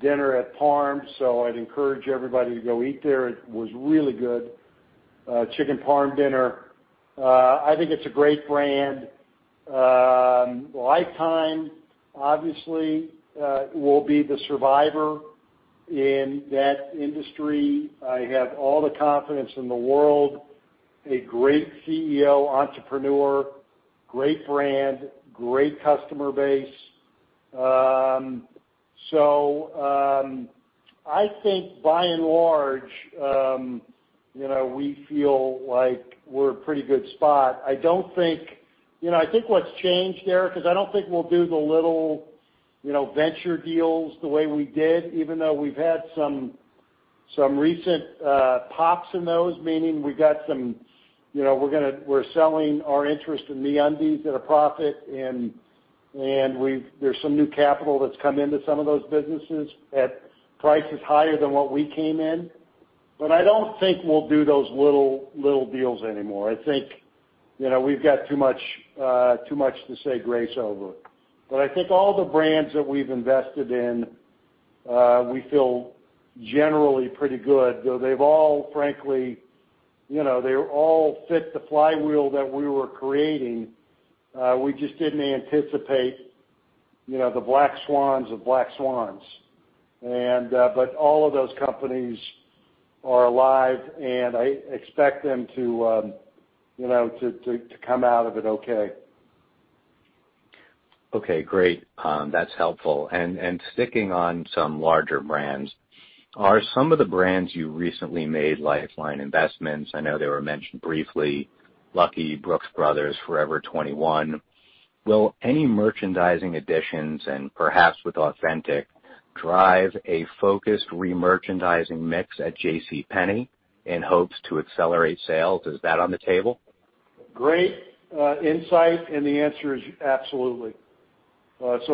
dinner at Parm. I'd encourage everybody to go eat there. It was really good. Chicken Parm dinner. I think it's a great brand. Life Time, obviously, will be the survivor in that industry. I have all the confidence in the world, a great CEO, entrepreneur, great brand, great customer base. I think by and large, we feel like we're in a pretty good spot. I think what's changed, Derek, is I don't think we'll do the little venture deals the way we did, even though we've had some recent pops in those, meaning we're selling our interest in MeUndies at a profit, and there's some new capital that's come into some of those businesses at prices higher than what we came in. I don't think we'll do those little deals anymore. I think we've got too much to stay grace over. I think all the brands that we've invested in, we feel generally pretty good, though they all fit the flywheel that we were creating. We just didn't anticipate the black swans of black swans. All of those companies are alive, and I expect them to come out of it okay. Okay, great. That's helpful. Sticking on some larger brands, are some of the brands you recently made lifeline investments, I know they were mentioned briefly, Lucky Brand, Brooks Brothers, Forever 21, will any merchandising additions and perhaps with Authentic drive a focused remerchandising mix at JCPenney in hopes to accelerate sales? Is that on the table? Great insight. The answer is absolutely. That's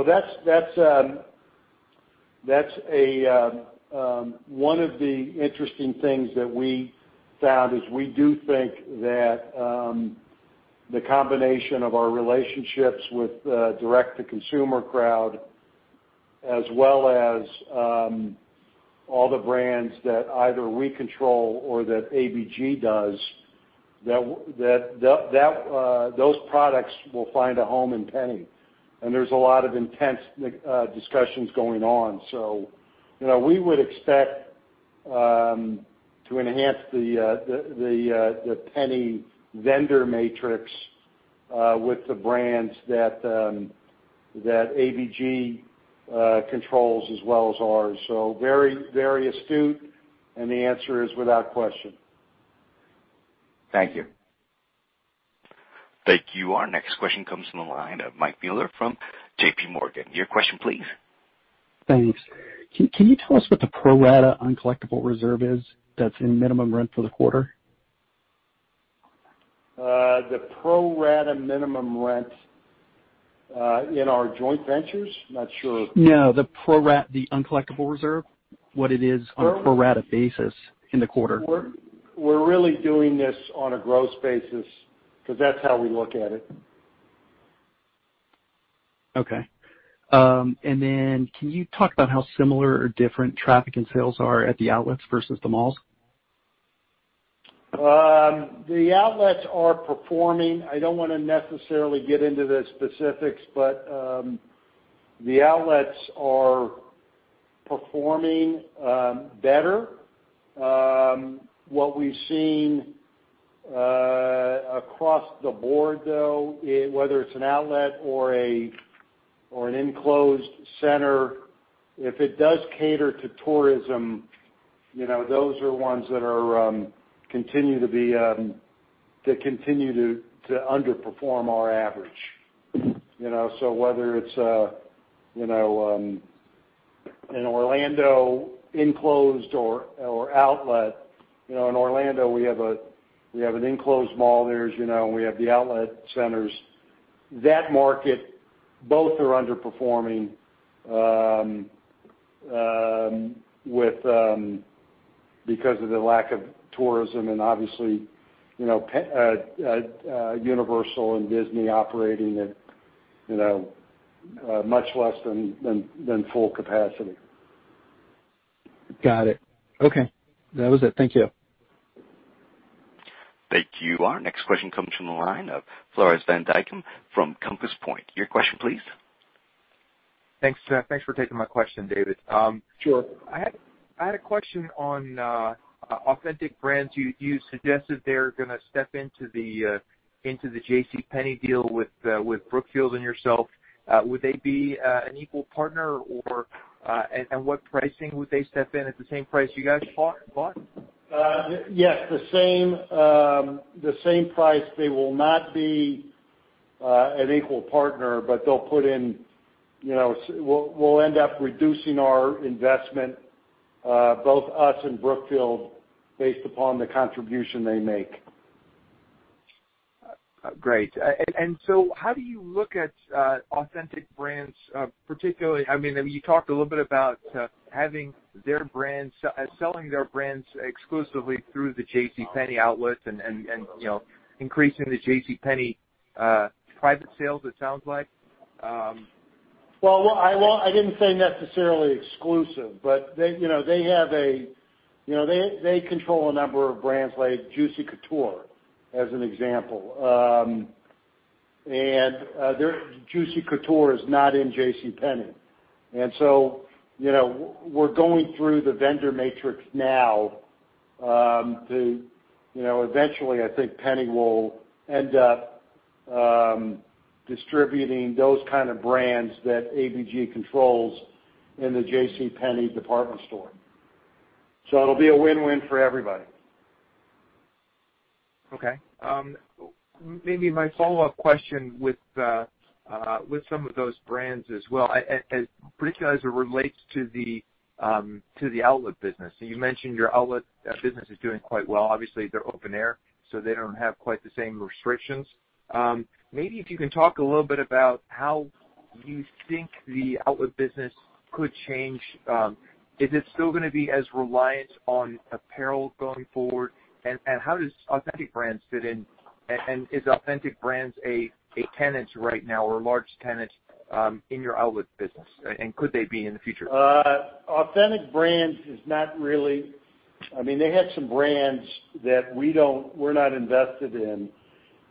one of the interesting things that we found, is we do think that the combination of our relationships with the direct-to-consumer crowd, as well as all the brands that either we control or that ABG does, those products will find a home in JCPenney. There's a lot of intense discussions going on. We would expect to enhance the JCPenney vendor matrix with the brands that ABG controls as well as ours. Very astute. The answer is without question. Thank you. Thank you. Our next question comes from the line of Mike Mueller from JPMorgan. Your question, please. Thanks. Can you tell us what the pro rata uncollectible reserve is that's in minimum rent for the quarter? The pro rata minimum rent in our joint ventures? Not sure. No, the uncollectible reserve, what it is on a pro rata basis in the quarter. We're really doing this on a gross basis because that's how we look at it. Okay. Can you talk about how similar or different traffic and sales are at the outlets versus the malls? The outlets are performing. I don't want to necessarily get into the specifics, but the outlets are performing better. What we've seen across the board, though, whether it's an outlet or an enclosed center, if it does cater to tourism, those are ones that continue to underperform our average. Whether it's an Orlando enclosed or outlet. In Orlando, we have an enclosed mall there, and we have the outlet centers. That market, both are underperforming because of the lack of tourism and obviously, Universal and Disney operating at much less than full capacity. Got it. Okay. That was it. Thank you. Thank you. Our next question comes from the line of Floris Van Dijkum from Compass Point. Your question, please. Thanks for taking my question, David. Sure. I had a question on Authentic Brands. You suggested they're going to step into the JCPenney deal with Brookfield and yourself. Would they be an equal partner, and at what pricing would they step in? At the same price you guys bought? Yes, the same price. They will not be an equal partner, but we'll end up reducing our investment, both us and Brookfield, based upon the contribution they make. Great. How do you look at Authentic Brands? You talked a little bit about selling their brands exclusively through the JCPenney outlets and increasing the JCPenney private sales, it sounds like. Well, I didn't say necessarily exclusive, but they control a number of brands like Juicy Couture, as an example. Juicy Couture is not in JCPenney. We're going through the vendor matrix now to eventually, I think Penney will end up distributing those kind of brands that ABG controls in the JCPenney department store. It'll be a win-win for everybody. Okay. Maybe my follow-up question with some of those brands as well, as brick-and-mortar relates to the outlet business. You mentioned your outlet business is doing quite well. Obviously, they're open-air, so they don't have quite the same restrictions. Maybe if you can talk a little bit about how you think the outlet business could change. Is it still going to be as reliant on apparel going forward? How does Authentic Brands fit in? Is Authentic Brands a tenant right now or a large tenant in your outlet business? Could they be in the future? They have some brands that we're not invested in,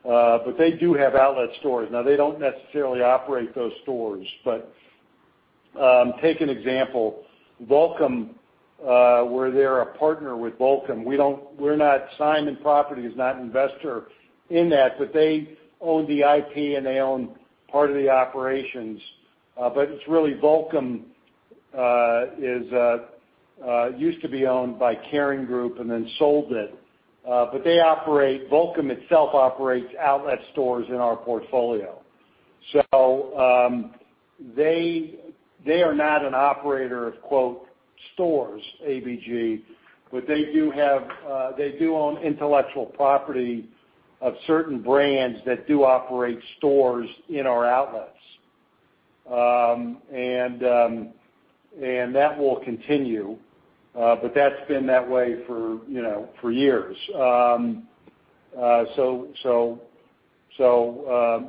but they do have outlet stores. Now, they don't necessarily operate those stores. Take an example. Volcom, where they're a partner with Volcom. Simon Property is not an investor in that, but they own the IP, and they own part of the operations. Volcom used to be owned by KERING Group and then sold it. Volcom itself operates outlet stores in our portfolio. They are not an operator of "stores," ABG, but they do own intellectual property of certain brands that do operate stores in our outlets. That will continue, but that's been that way for years.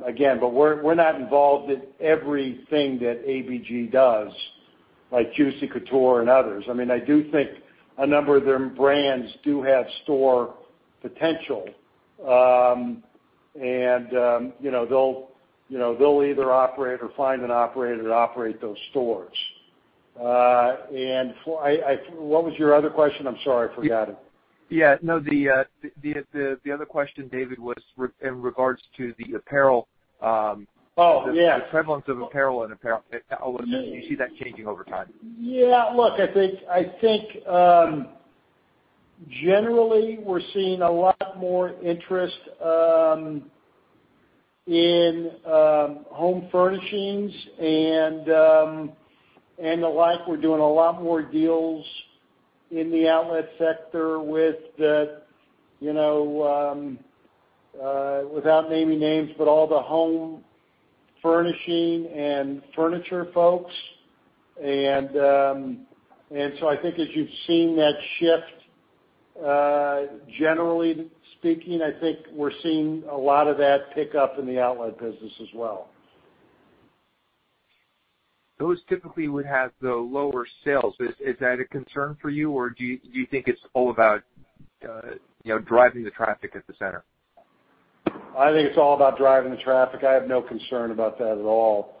Again, we're not involved in everything that ABG does, like Juicy Couture and others. I do think a number of their brands do have store potential. They'll either operate or find an operator to operate those stores. What was your other question? I'm sorry, I forgot it. Yeah, no, the other question, David, was in regards to the apparel. Oh, yeah. The prevalence of apparel in apparel. Do you see that changing over time? Yeah, look, I think generally, we're seeing a lot more interest in home furnishings and the like. We're doing a lot more deals in the outlet sector without naming names, but all the home furnishing and furniture folks. I think as you've seen that shift, generally speaking, I think we're seeing a lot of that pick up in the outlet business as well. Those typically would have the lower sales. Is that a concern for you, or do you think it's all about driving the traffic at the center? I think it's all about driving the traffic. I have no concern about that at all.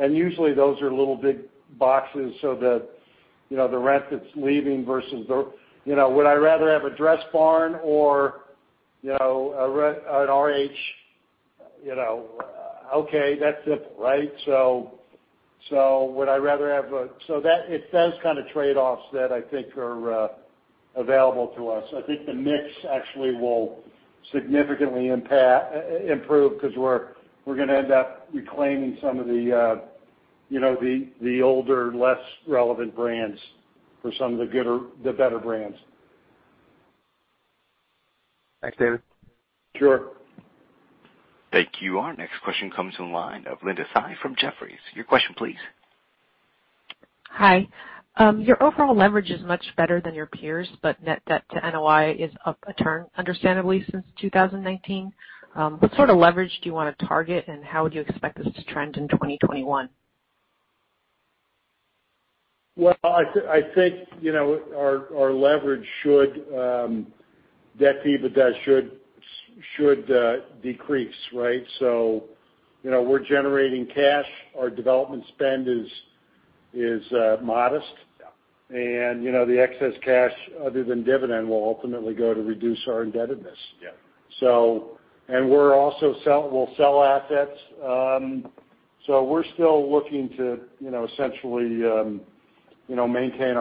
Usually, those are little big boxes, so that the rent that's leaving versus the Would I rather have a Dressbarn or an RH? Okay. That's simple, right? It's those kind of trade-offs that I think are available to us. I think the mix actually will significantly improve because we're going to end up reclaiming some of the older, less relevant brands for some of the better brands. Thanks, David. Sure. Thank you. Our next question comes from the line of Linda Tsai from Jefferies. Your question, please. Hi. Your overall leverage is much better than your peers, but net debt to NOI is up a turn, understandably, since 2019. What sort of leverage do you want to target, and how would you expect this to trend in 2021? Well, I think our leverage debt to EBITDA should decrease, right? We're generating cash. Our development spend is modest. Yeah. The excess cash, other than dividend, will ultimately go to reduce our indebtedness. Yeah. We'll sell assets. We're still looking to essentially maintain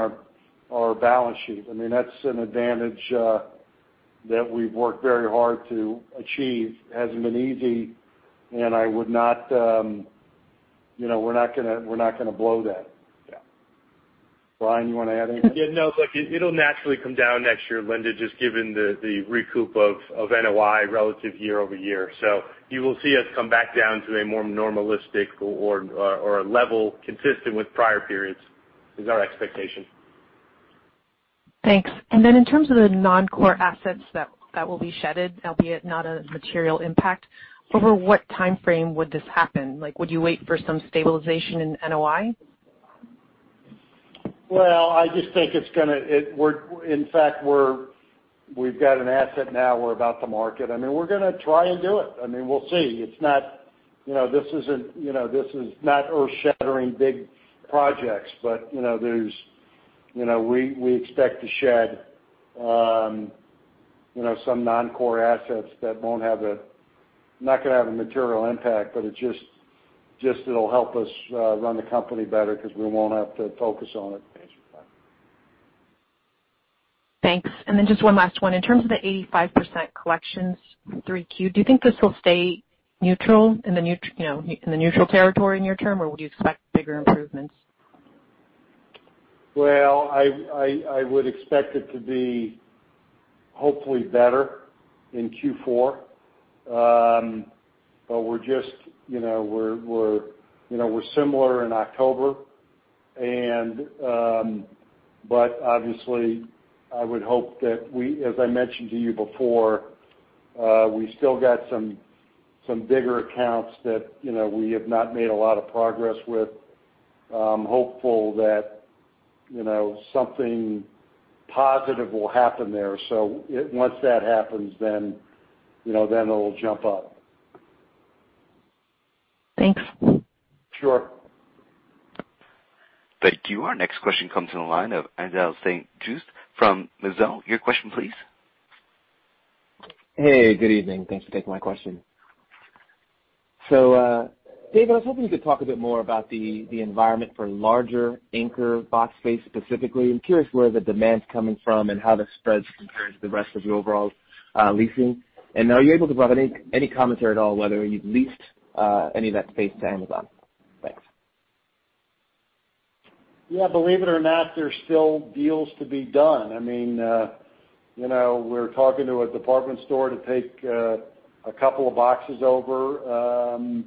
our balance sheet. That's an advantage that we've worked very hard to achieve. Hasn't been easy, and we're not going to blow that. Yeah. Brian, you want to add anything? Yeah, no. Look, it'll naturally come down next year, Linda, just given the recoup of NOI relative year-over-year. You will see us come back down to a more normalistic or a level consistent with prior periods, is our expectation. Thanks. In terms of the non-core assets that will be shed, albeit not a material impact, over what timeframe would this happen? Would you wait for some stabilization in NOI? Well, in fact, we've got an asset now we're about to market. We're going to try and do it. We'll see. This is not earth-shattering big projects, but we expect to shed some non-core assets that not going to have a material impact, but it'll help us run the company better because we won't have to focus on it as much. Thanks. Just one last one. In terms of the 85% collections, 3Q, do you think this will stay neutral, in the neutral territory near-term, or would you expect bigger improvements? I would expect it to be hopefully better in Q4. We're similar in October. Obviously, I would hope that we, as I mentioned to you before, we still got some bigger accounts that we have not made a lot of progress with. I'm hopeful that something positive will happen there. Once that happens, then it'll jump up. Thanks. Sure. Thank you. Our next question comes from the line of Haendel St. Juste from Mizuho. Your question, please. Hey, good evening. Thanks for taking my question. David, I was hoping you could talk a bit more about the environment for larger anchor box space specifically. I'm curious where the demand's coming from and how the spreads compare to the rest of your overall leasing. Are you able to provide any commentary at all whether you've leased any of that space to Amazon? Thanks. Believe it or not, there's still deals to be done. We're talking to a department store to take a couple of boxes over.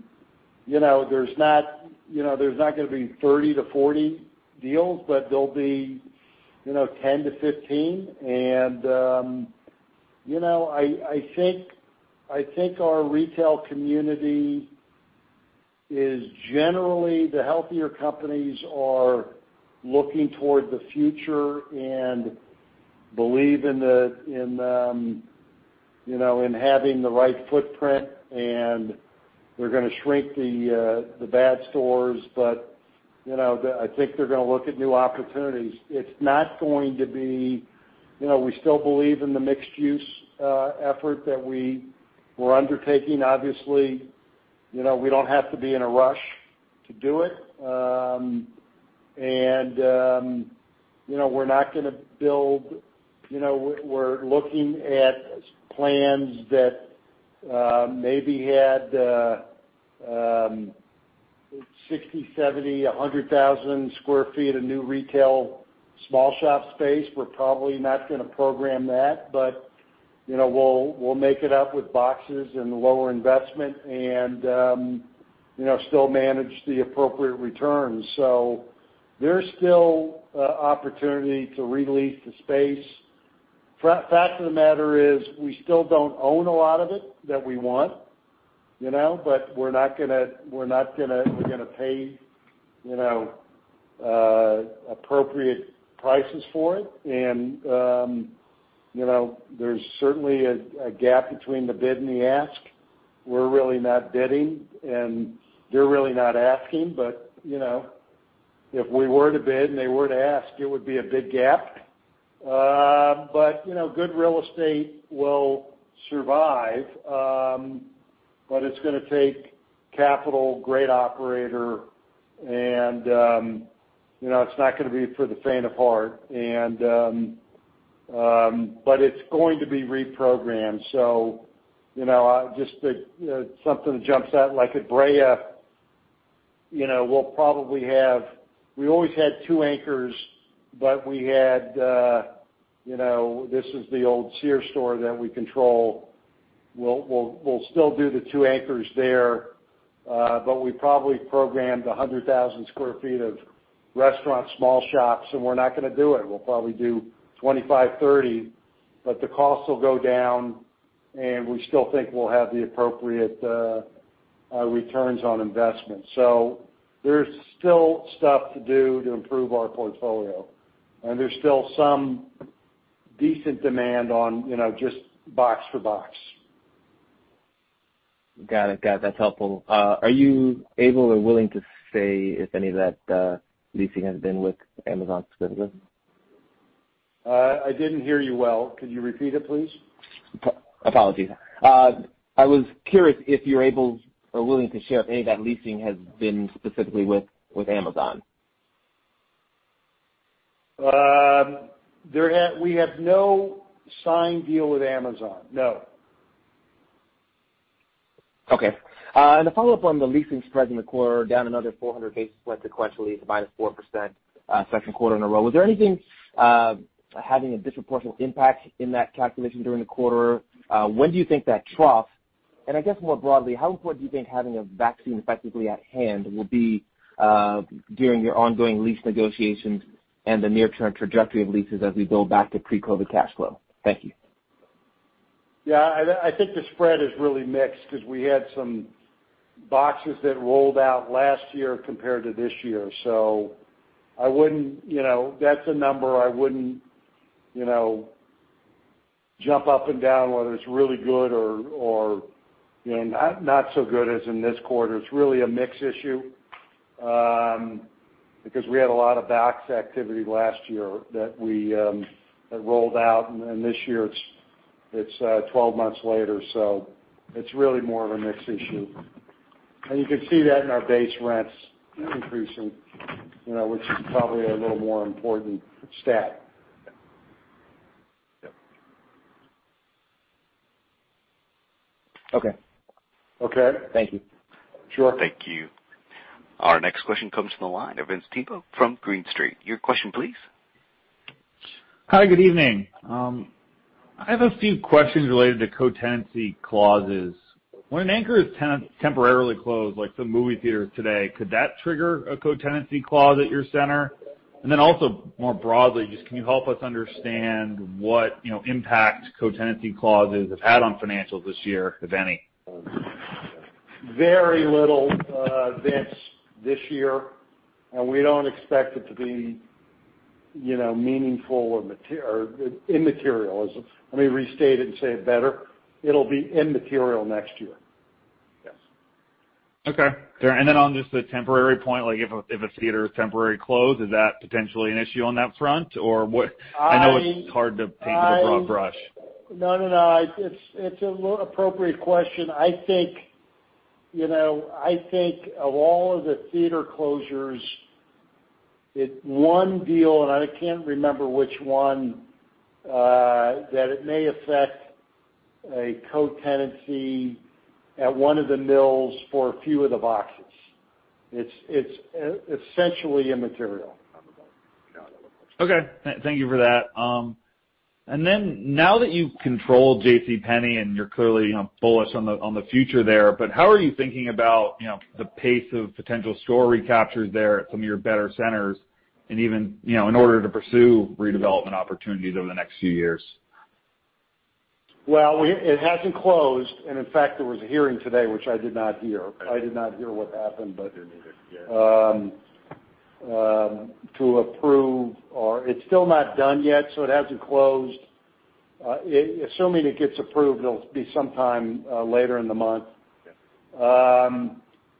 There's not going to be 30-40 deals, but there'll be 10-15. I think our retail community is generally, the healthier companies are looking toward the future and believe in having the right footprint, and they're going to shrink the bad stores. I think they're going to look at new opportunities. We still believe in the mixed-use effort that we're undertaking. Obviously, we don't have to be in a rush to do it. We're not going to build. We're looking at plans that maybe had 60,000 sq ft, 70,000 sq ft, 100,000 sq ft of new retail small shop space. We're probably not going to program that. We'll make it up with boxes and lower investment and still manage the appropriate returns. There's still opportunity to re-lease the space. Fact of the matter is, we still don't own a lot of it that we want. We're going to pay appropriate prices for it. There's certainly a gap between the bid and the ask. We're really not bidding, and they're really not asking, but if we were to bid and they were to ask, it would be a big gap. Good real estate will survive, but it's going to take capital, great operator, and it's not going to be for the faint of heart. It's going to be reprogrammed. Just something jumps out, like at Brea. We always had two anchors, but this is the old Sears store that we control. We'll still do the two anchors there, but we probably programmed 100,000 sq ft of restaurant small shops, and we're not going to do it. We'll probably do 25,000 sq ft, 30,000 sq ft, the cost will go down, and we still think we'll have the appropriate returns on investment. There's still stuff to do to improve our portfolio, and there's still some decent demand on just box for box. Got it. That's helpful. Are you able or willing to say if any of that leasing has been with Amazon specifically? I didn't hear you well. Could you repeat it, please? Apologies. I was curious if you're able or willing to share if any of that leasing has been specifically with Amazon? We have no signed deal with Amazon. No. Okay. A follow-up on the leasing spread in the quarter, down another 400 basis points sequentially to -4% second quarter in a row. Was there anything having a disproportional impact in that calculation during the quarter? When do you think that trough, and I guess more broadly, how important do you think having a vaccine effectively at hand will be during your ongoing lease negotiations and the near-term trajectory of leases as we build back to pre-COVID cash flow? Thank you. I think the spread is really mixed because we had some boxes that rolled out last year compared to this year. That's a number I wouldn't jump up and down whether it's really good or not so good as in this quarter. It's really a mix issue, because we had a lot of box activity last year that rolled out, and this year, it's 12 months later, so it's really more of a mix issue. You can see that in our base rents increasing, which is probably a little more important stat. Yep. Okay. Okay. Thank you. Sure. Thank you. Our next question comes from the line of Vince Tibone from Green Street. Your question, please. Hi, good evening. I have a few questions related to co-tenancy clauses. When an anchor is temporarily closed, like some movie theaters today, could that trigger a co-tenancy clause at your center? Also, more broadly, just can you help us understand what impact co-tenancy clauses have had on financials this year, if any? Very little, Vince, this year, and we don't expect it to be meaningful or immaterial. Let me restate it and say it better. It'll be immaterial next year. Yes. Okay. On just the temporary point, like if a theater is temporarily closed, is that potentially an issue on that front? I know it's hard to paint with a broad brush. No. It's an appropriate question. I think of all of the theater closures, it's one deal, and I can't remember which one, that it may affect a co-tenancy at one of the malls for a few of the boxes. It's essentially immaterial. Okay. Thank you for that. Now that you've controlled JCPenney and you're clearly bullish on the future there, how are you thinking about the pace of potential store recaptures there at some of your better centers and even in order to pursue redevelopment opportunities over the next few years? Well, it hasn't closed. In fact, there was a hearing today, which I did not hear. I did not hear what happened, but to approve, or it's still not done yet, so it hasn't closed. Assuming it gets approved, it'll be sometime later in the month. Okay.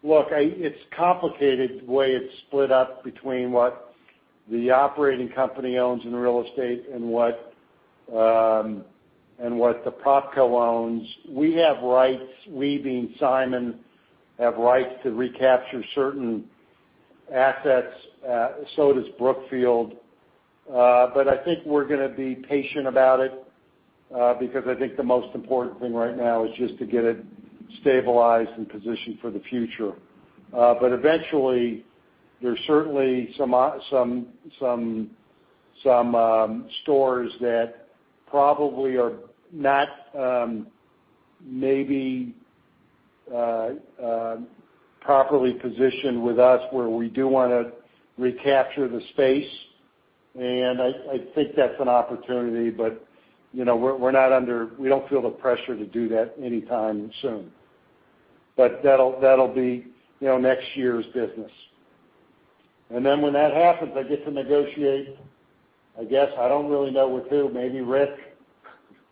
Look, it's complicated the way it's split up between what the operating company owns in real estate and what the PropCo owns. We have rights, we being Simon, have rights to recapture certain assets, so does Brookfield. I think we're going to be patient about it, because I think the most important thing right now is just to get it stabilized and positioned for the future. Eventually, there's certainly some stores that probably are not maybe properly positioned with us where we do want to recapture the space, and I think that's an opportunity, but we don't feel the pressure to do that anytime soon. That'll be next year's business. Then when that happens, I get to negotiate, I guess. I don't really know with who. Maybe Rick,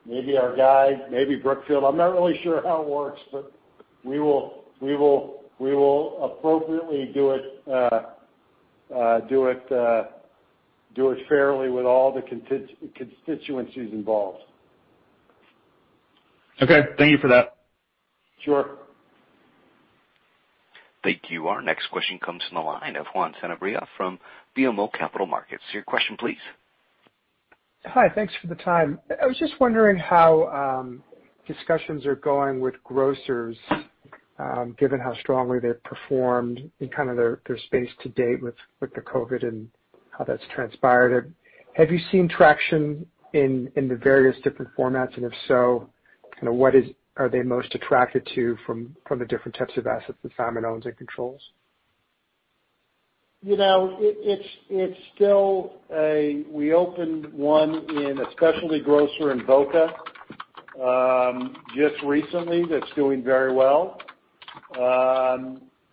maybe our guy, maybe Brookfield. I'm not really sure how it works, but we will appropriately do it fairly with all the constituencies involved. Okay. Thank you for that. Sure. Thank you. Our next question comes from the line of Juan Sanabria from BMO Capital Markets. Your question, please. Hi. Thanks for the time. I was just wondering how discussions are going with grocers, given how strongly they've performed in their space to date with the COVID and how that's transpired. Have you seen traction in the various different formats? If so, what are they most attracted to from the different types of assets that Simon owns and controls? We opened one in a specialty grocer in Boca just recently, that's doing very well.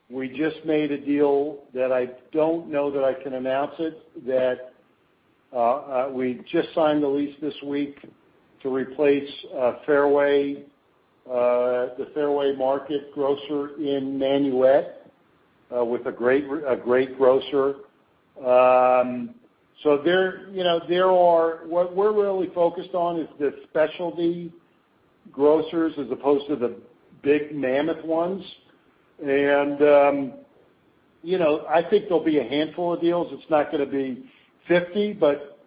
We just made a deal that I don't know that I can announce it, that we just signed the lease this week to replace the Fairway Market grocer in Nanuet with a great grocer. What we're really focused on is the specialty grocers as opposed to the big mammoth ones. I think there'll be a handful of deals. It's not going to be 50, but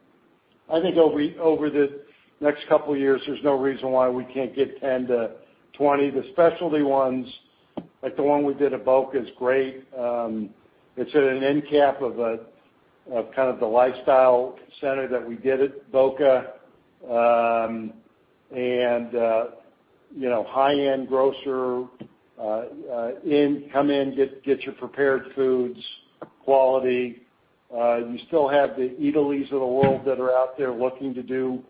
I think over the next couple of years, there's no reason why we can't get 10 to 20. The specialty ones, like the one we did at Boca, is great. It's at an end cap of kind of the lifestyle center that we did at Boca. High-end grocer, come in, get your prepared foods, quality. You still have the Eataly of the world that are out there looking to do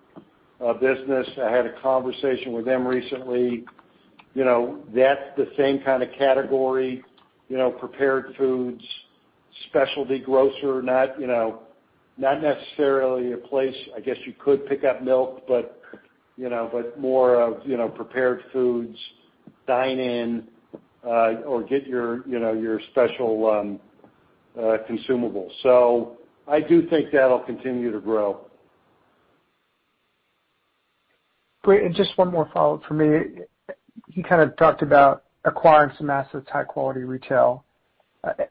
business. I had a conversation with them recently. That's the same kind of category, prepared foods, specialty grocer, not necessarily a place I guess you could pick up milk, but more of prepared foods, dine in, or get your special consumables. I do think that'll continue to grow. Great. Just one more follow-up from me. You kind of talked about acquiring some assets, high quality retail.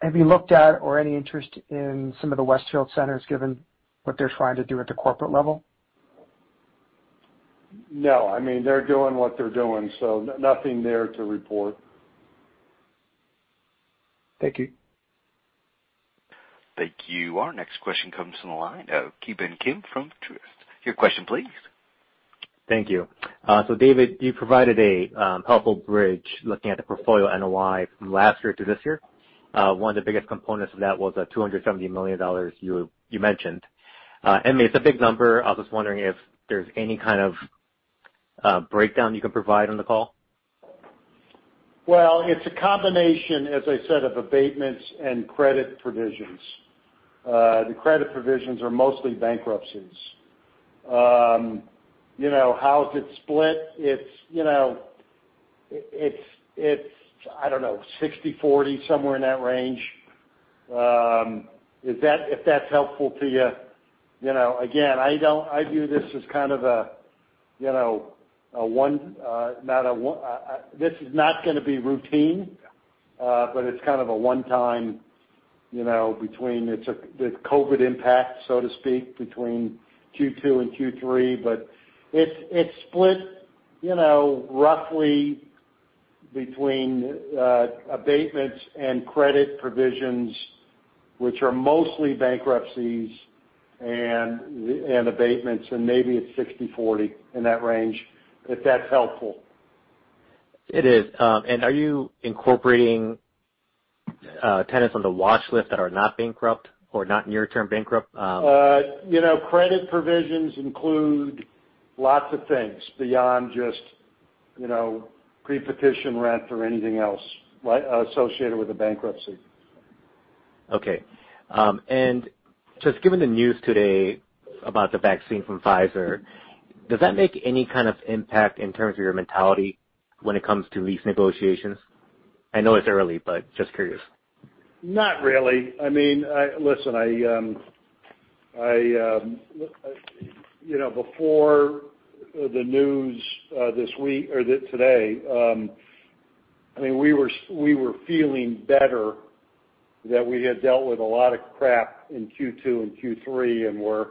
Have you looked at or any interest in some of the Westfield centers given what they're trying to do at the corporate level? No. They're doing what they're doing. Nothing there to report. Thank you. Thank you. Our next question comes from the line of Ki Bin Kim from Truist. Your question please. Thank you. David, you provided a helpful bridge looking at the portfolio NOI from last year to this year. One of the biggest components of that was that $270 million you mentioned. I mean, it's a big number. I was just wondering if there's any kind of breakdown you can provide on the call. It's a combination, as I said, of abatements and credit provisions. The credit provisions are mostly bankruptcies. How is it split? It's, I don't know, 60-40, somewhere in that range. If that's helpful to you. Again, this is not going to be routine, but it's kind of a one time between the COVID impact, so to speak, between Q2 and Q3, but it's split roughly between abatements and credit provisions, which are mostly bankruptcies and abatements, and maybe it's 60-40, in that range, if that's helpful. It is. Are you incorporating tenants on the watch list that are not bankrupt or not near-term bankrupt? Credit provisions include lots of things beyond just pre-petition rent or anything else associated with a bankruptcy. Okay. Just given the news today about the vaccine from Pfizer, does that make any kind of impact in terms of your mentality when it comes to lease negotiations? I know it's early, but just curious. Not really. Listen, before the news today, we were feeling better that we had dealt with a lot of crap in Q2 and Q3 and we're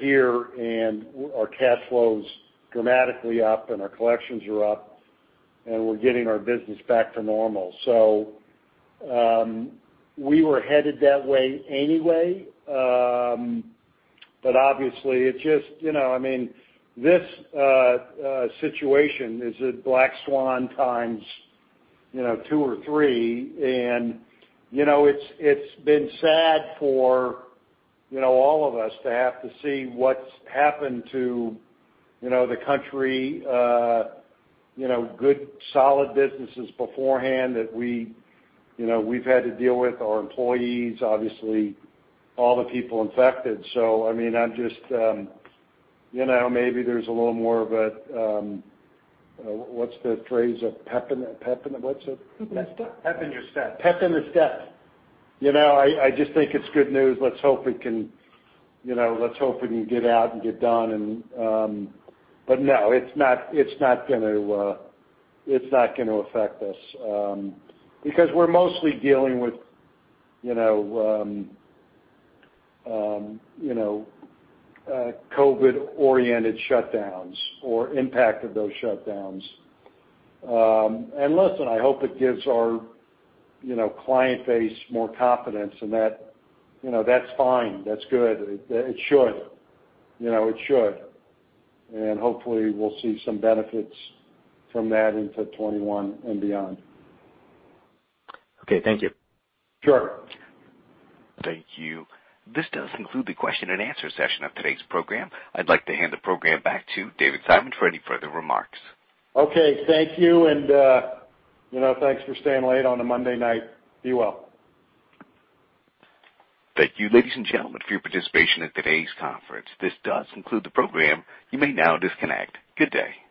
here and our cash flow's dramatically up and our collections are up, and we're getting our business back to normal. We were headed that way anyway. Obviously, this situation is a black swan times two or three, and it's been sad for all of us to have to see what's happened to the country. Good, solid businesses beforehand that we've had to deal with, our employees, obviously all the people infected. Maybe there's a little more of a, what's the phrase? Pep in the step. Pep in the step. I just think it's good news. Let's hope we can get out and get done. No, it's not going to affect us. We're mostly dealing with COVID-oriented shutdowns or impact of those shutdowns. Listen, I hope it gives our client base more confidence, and that's fine. That's good. It should. Hopefully we'll see some benefits from that into 2021 and beyond. Okay. Thank you. Sure. Thank you. This does conclude the question and answer session of today's program. I'd like to hand the program back to David Simon for any further remarks. Okay. Thank you, and thanks for staying late on a Monday night. Be well. Thank you, ladies and gentlemen, for your participation in today's conference. This does conclude the program. You may now disconnect. Good day.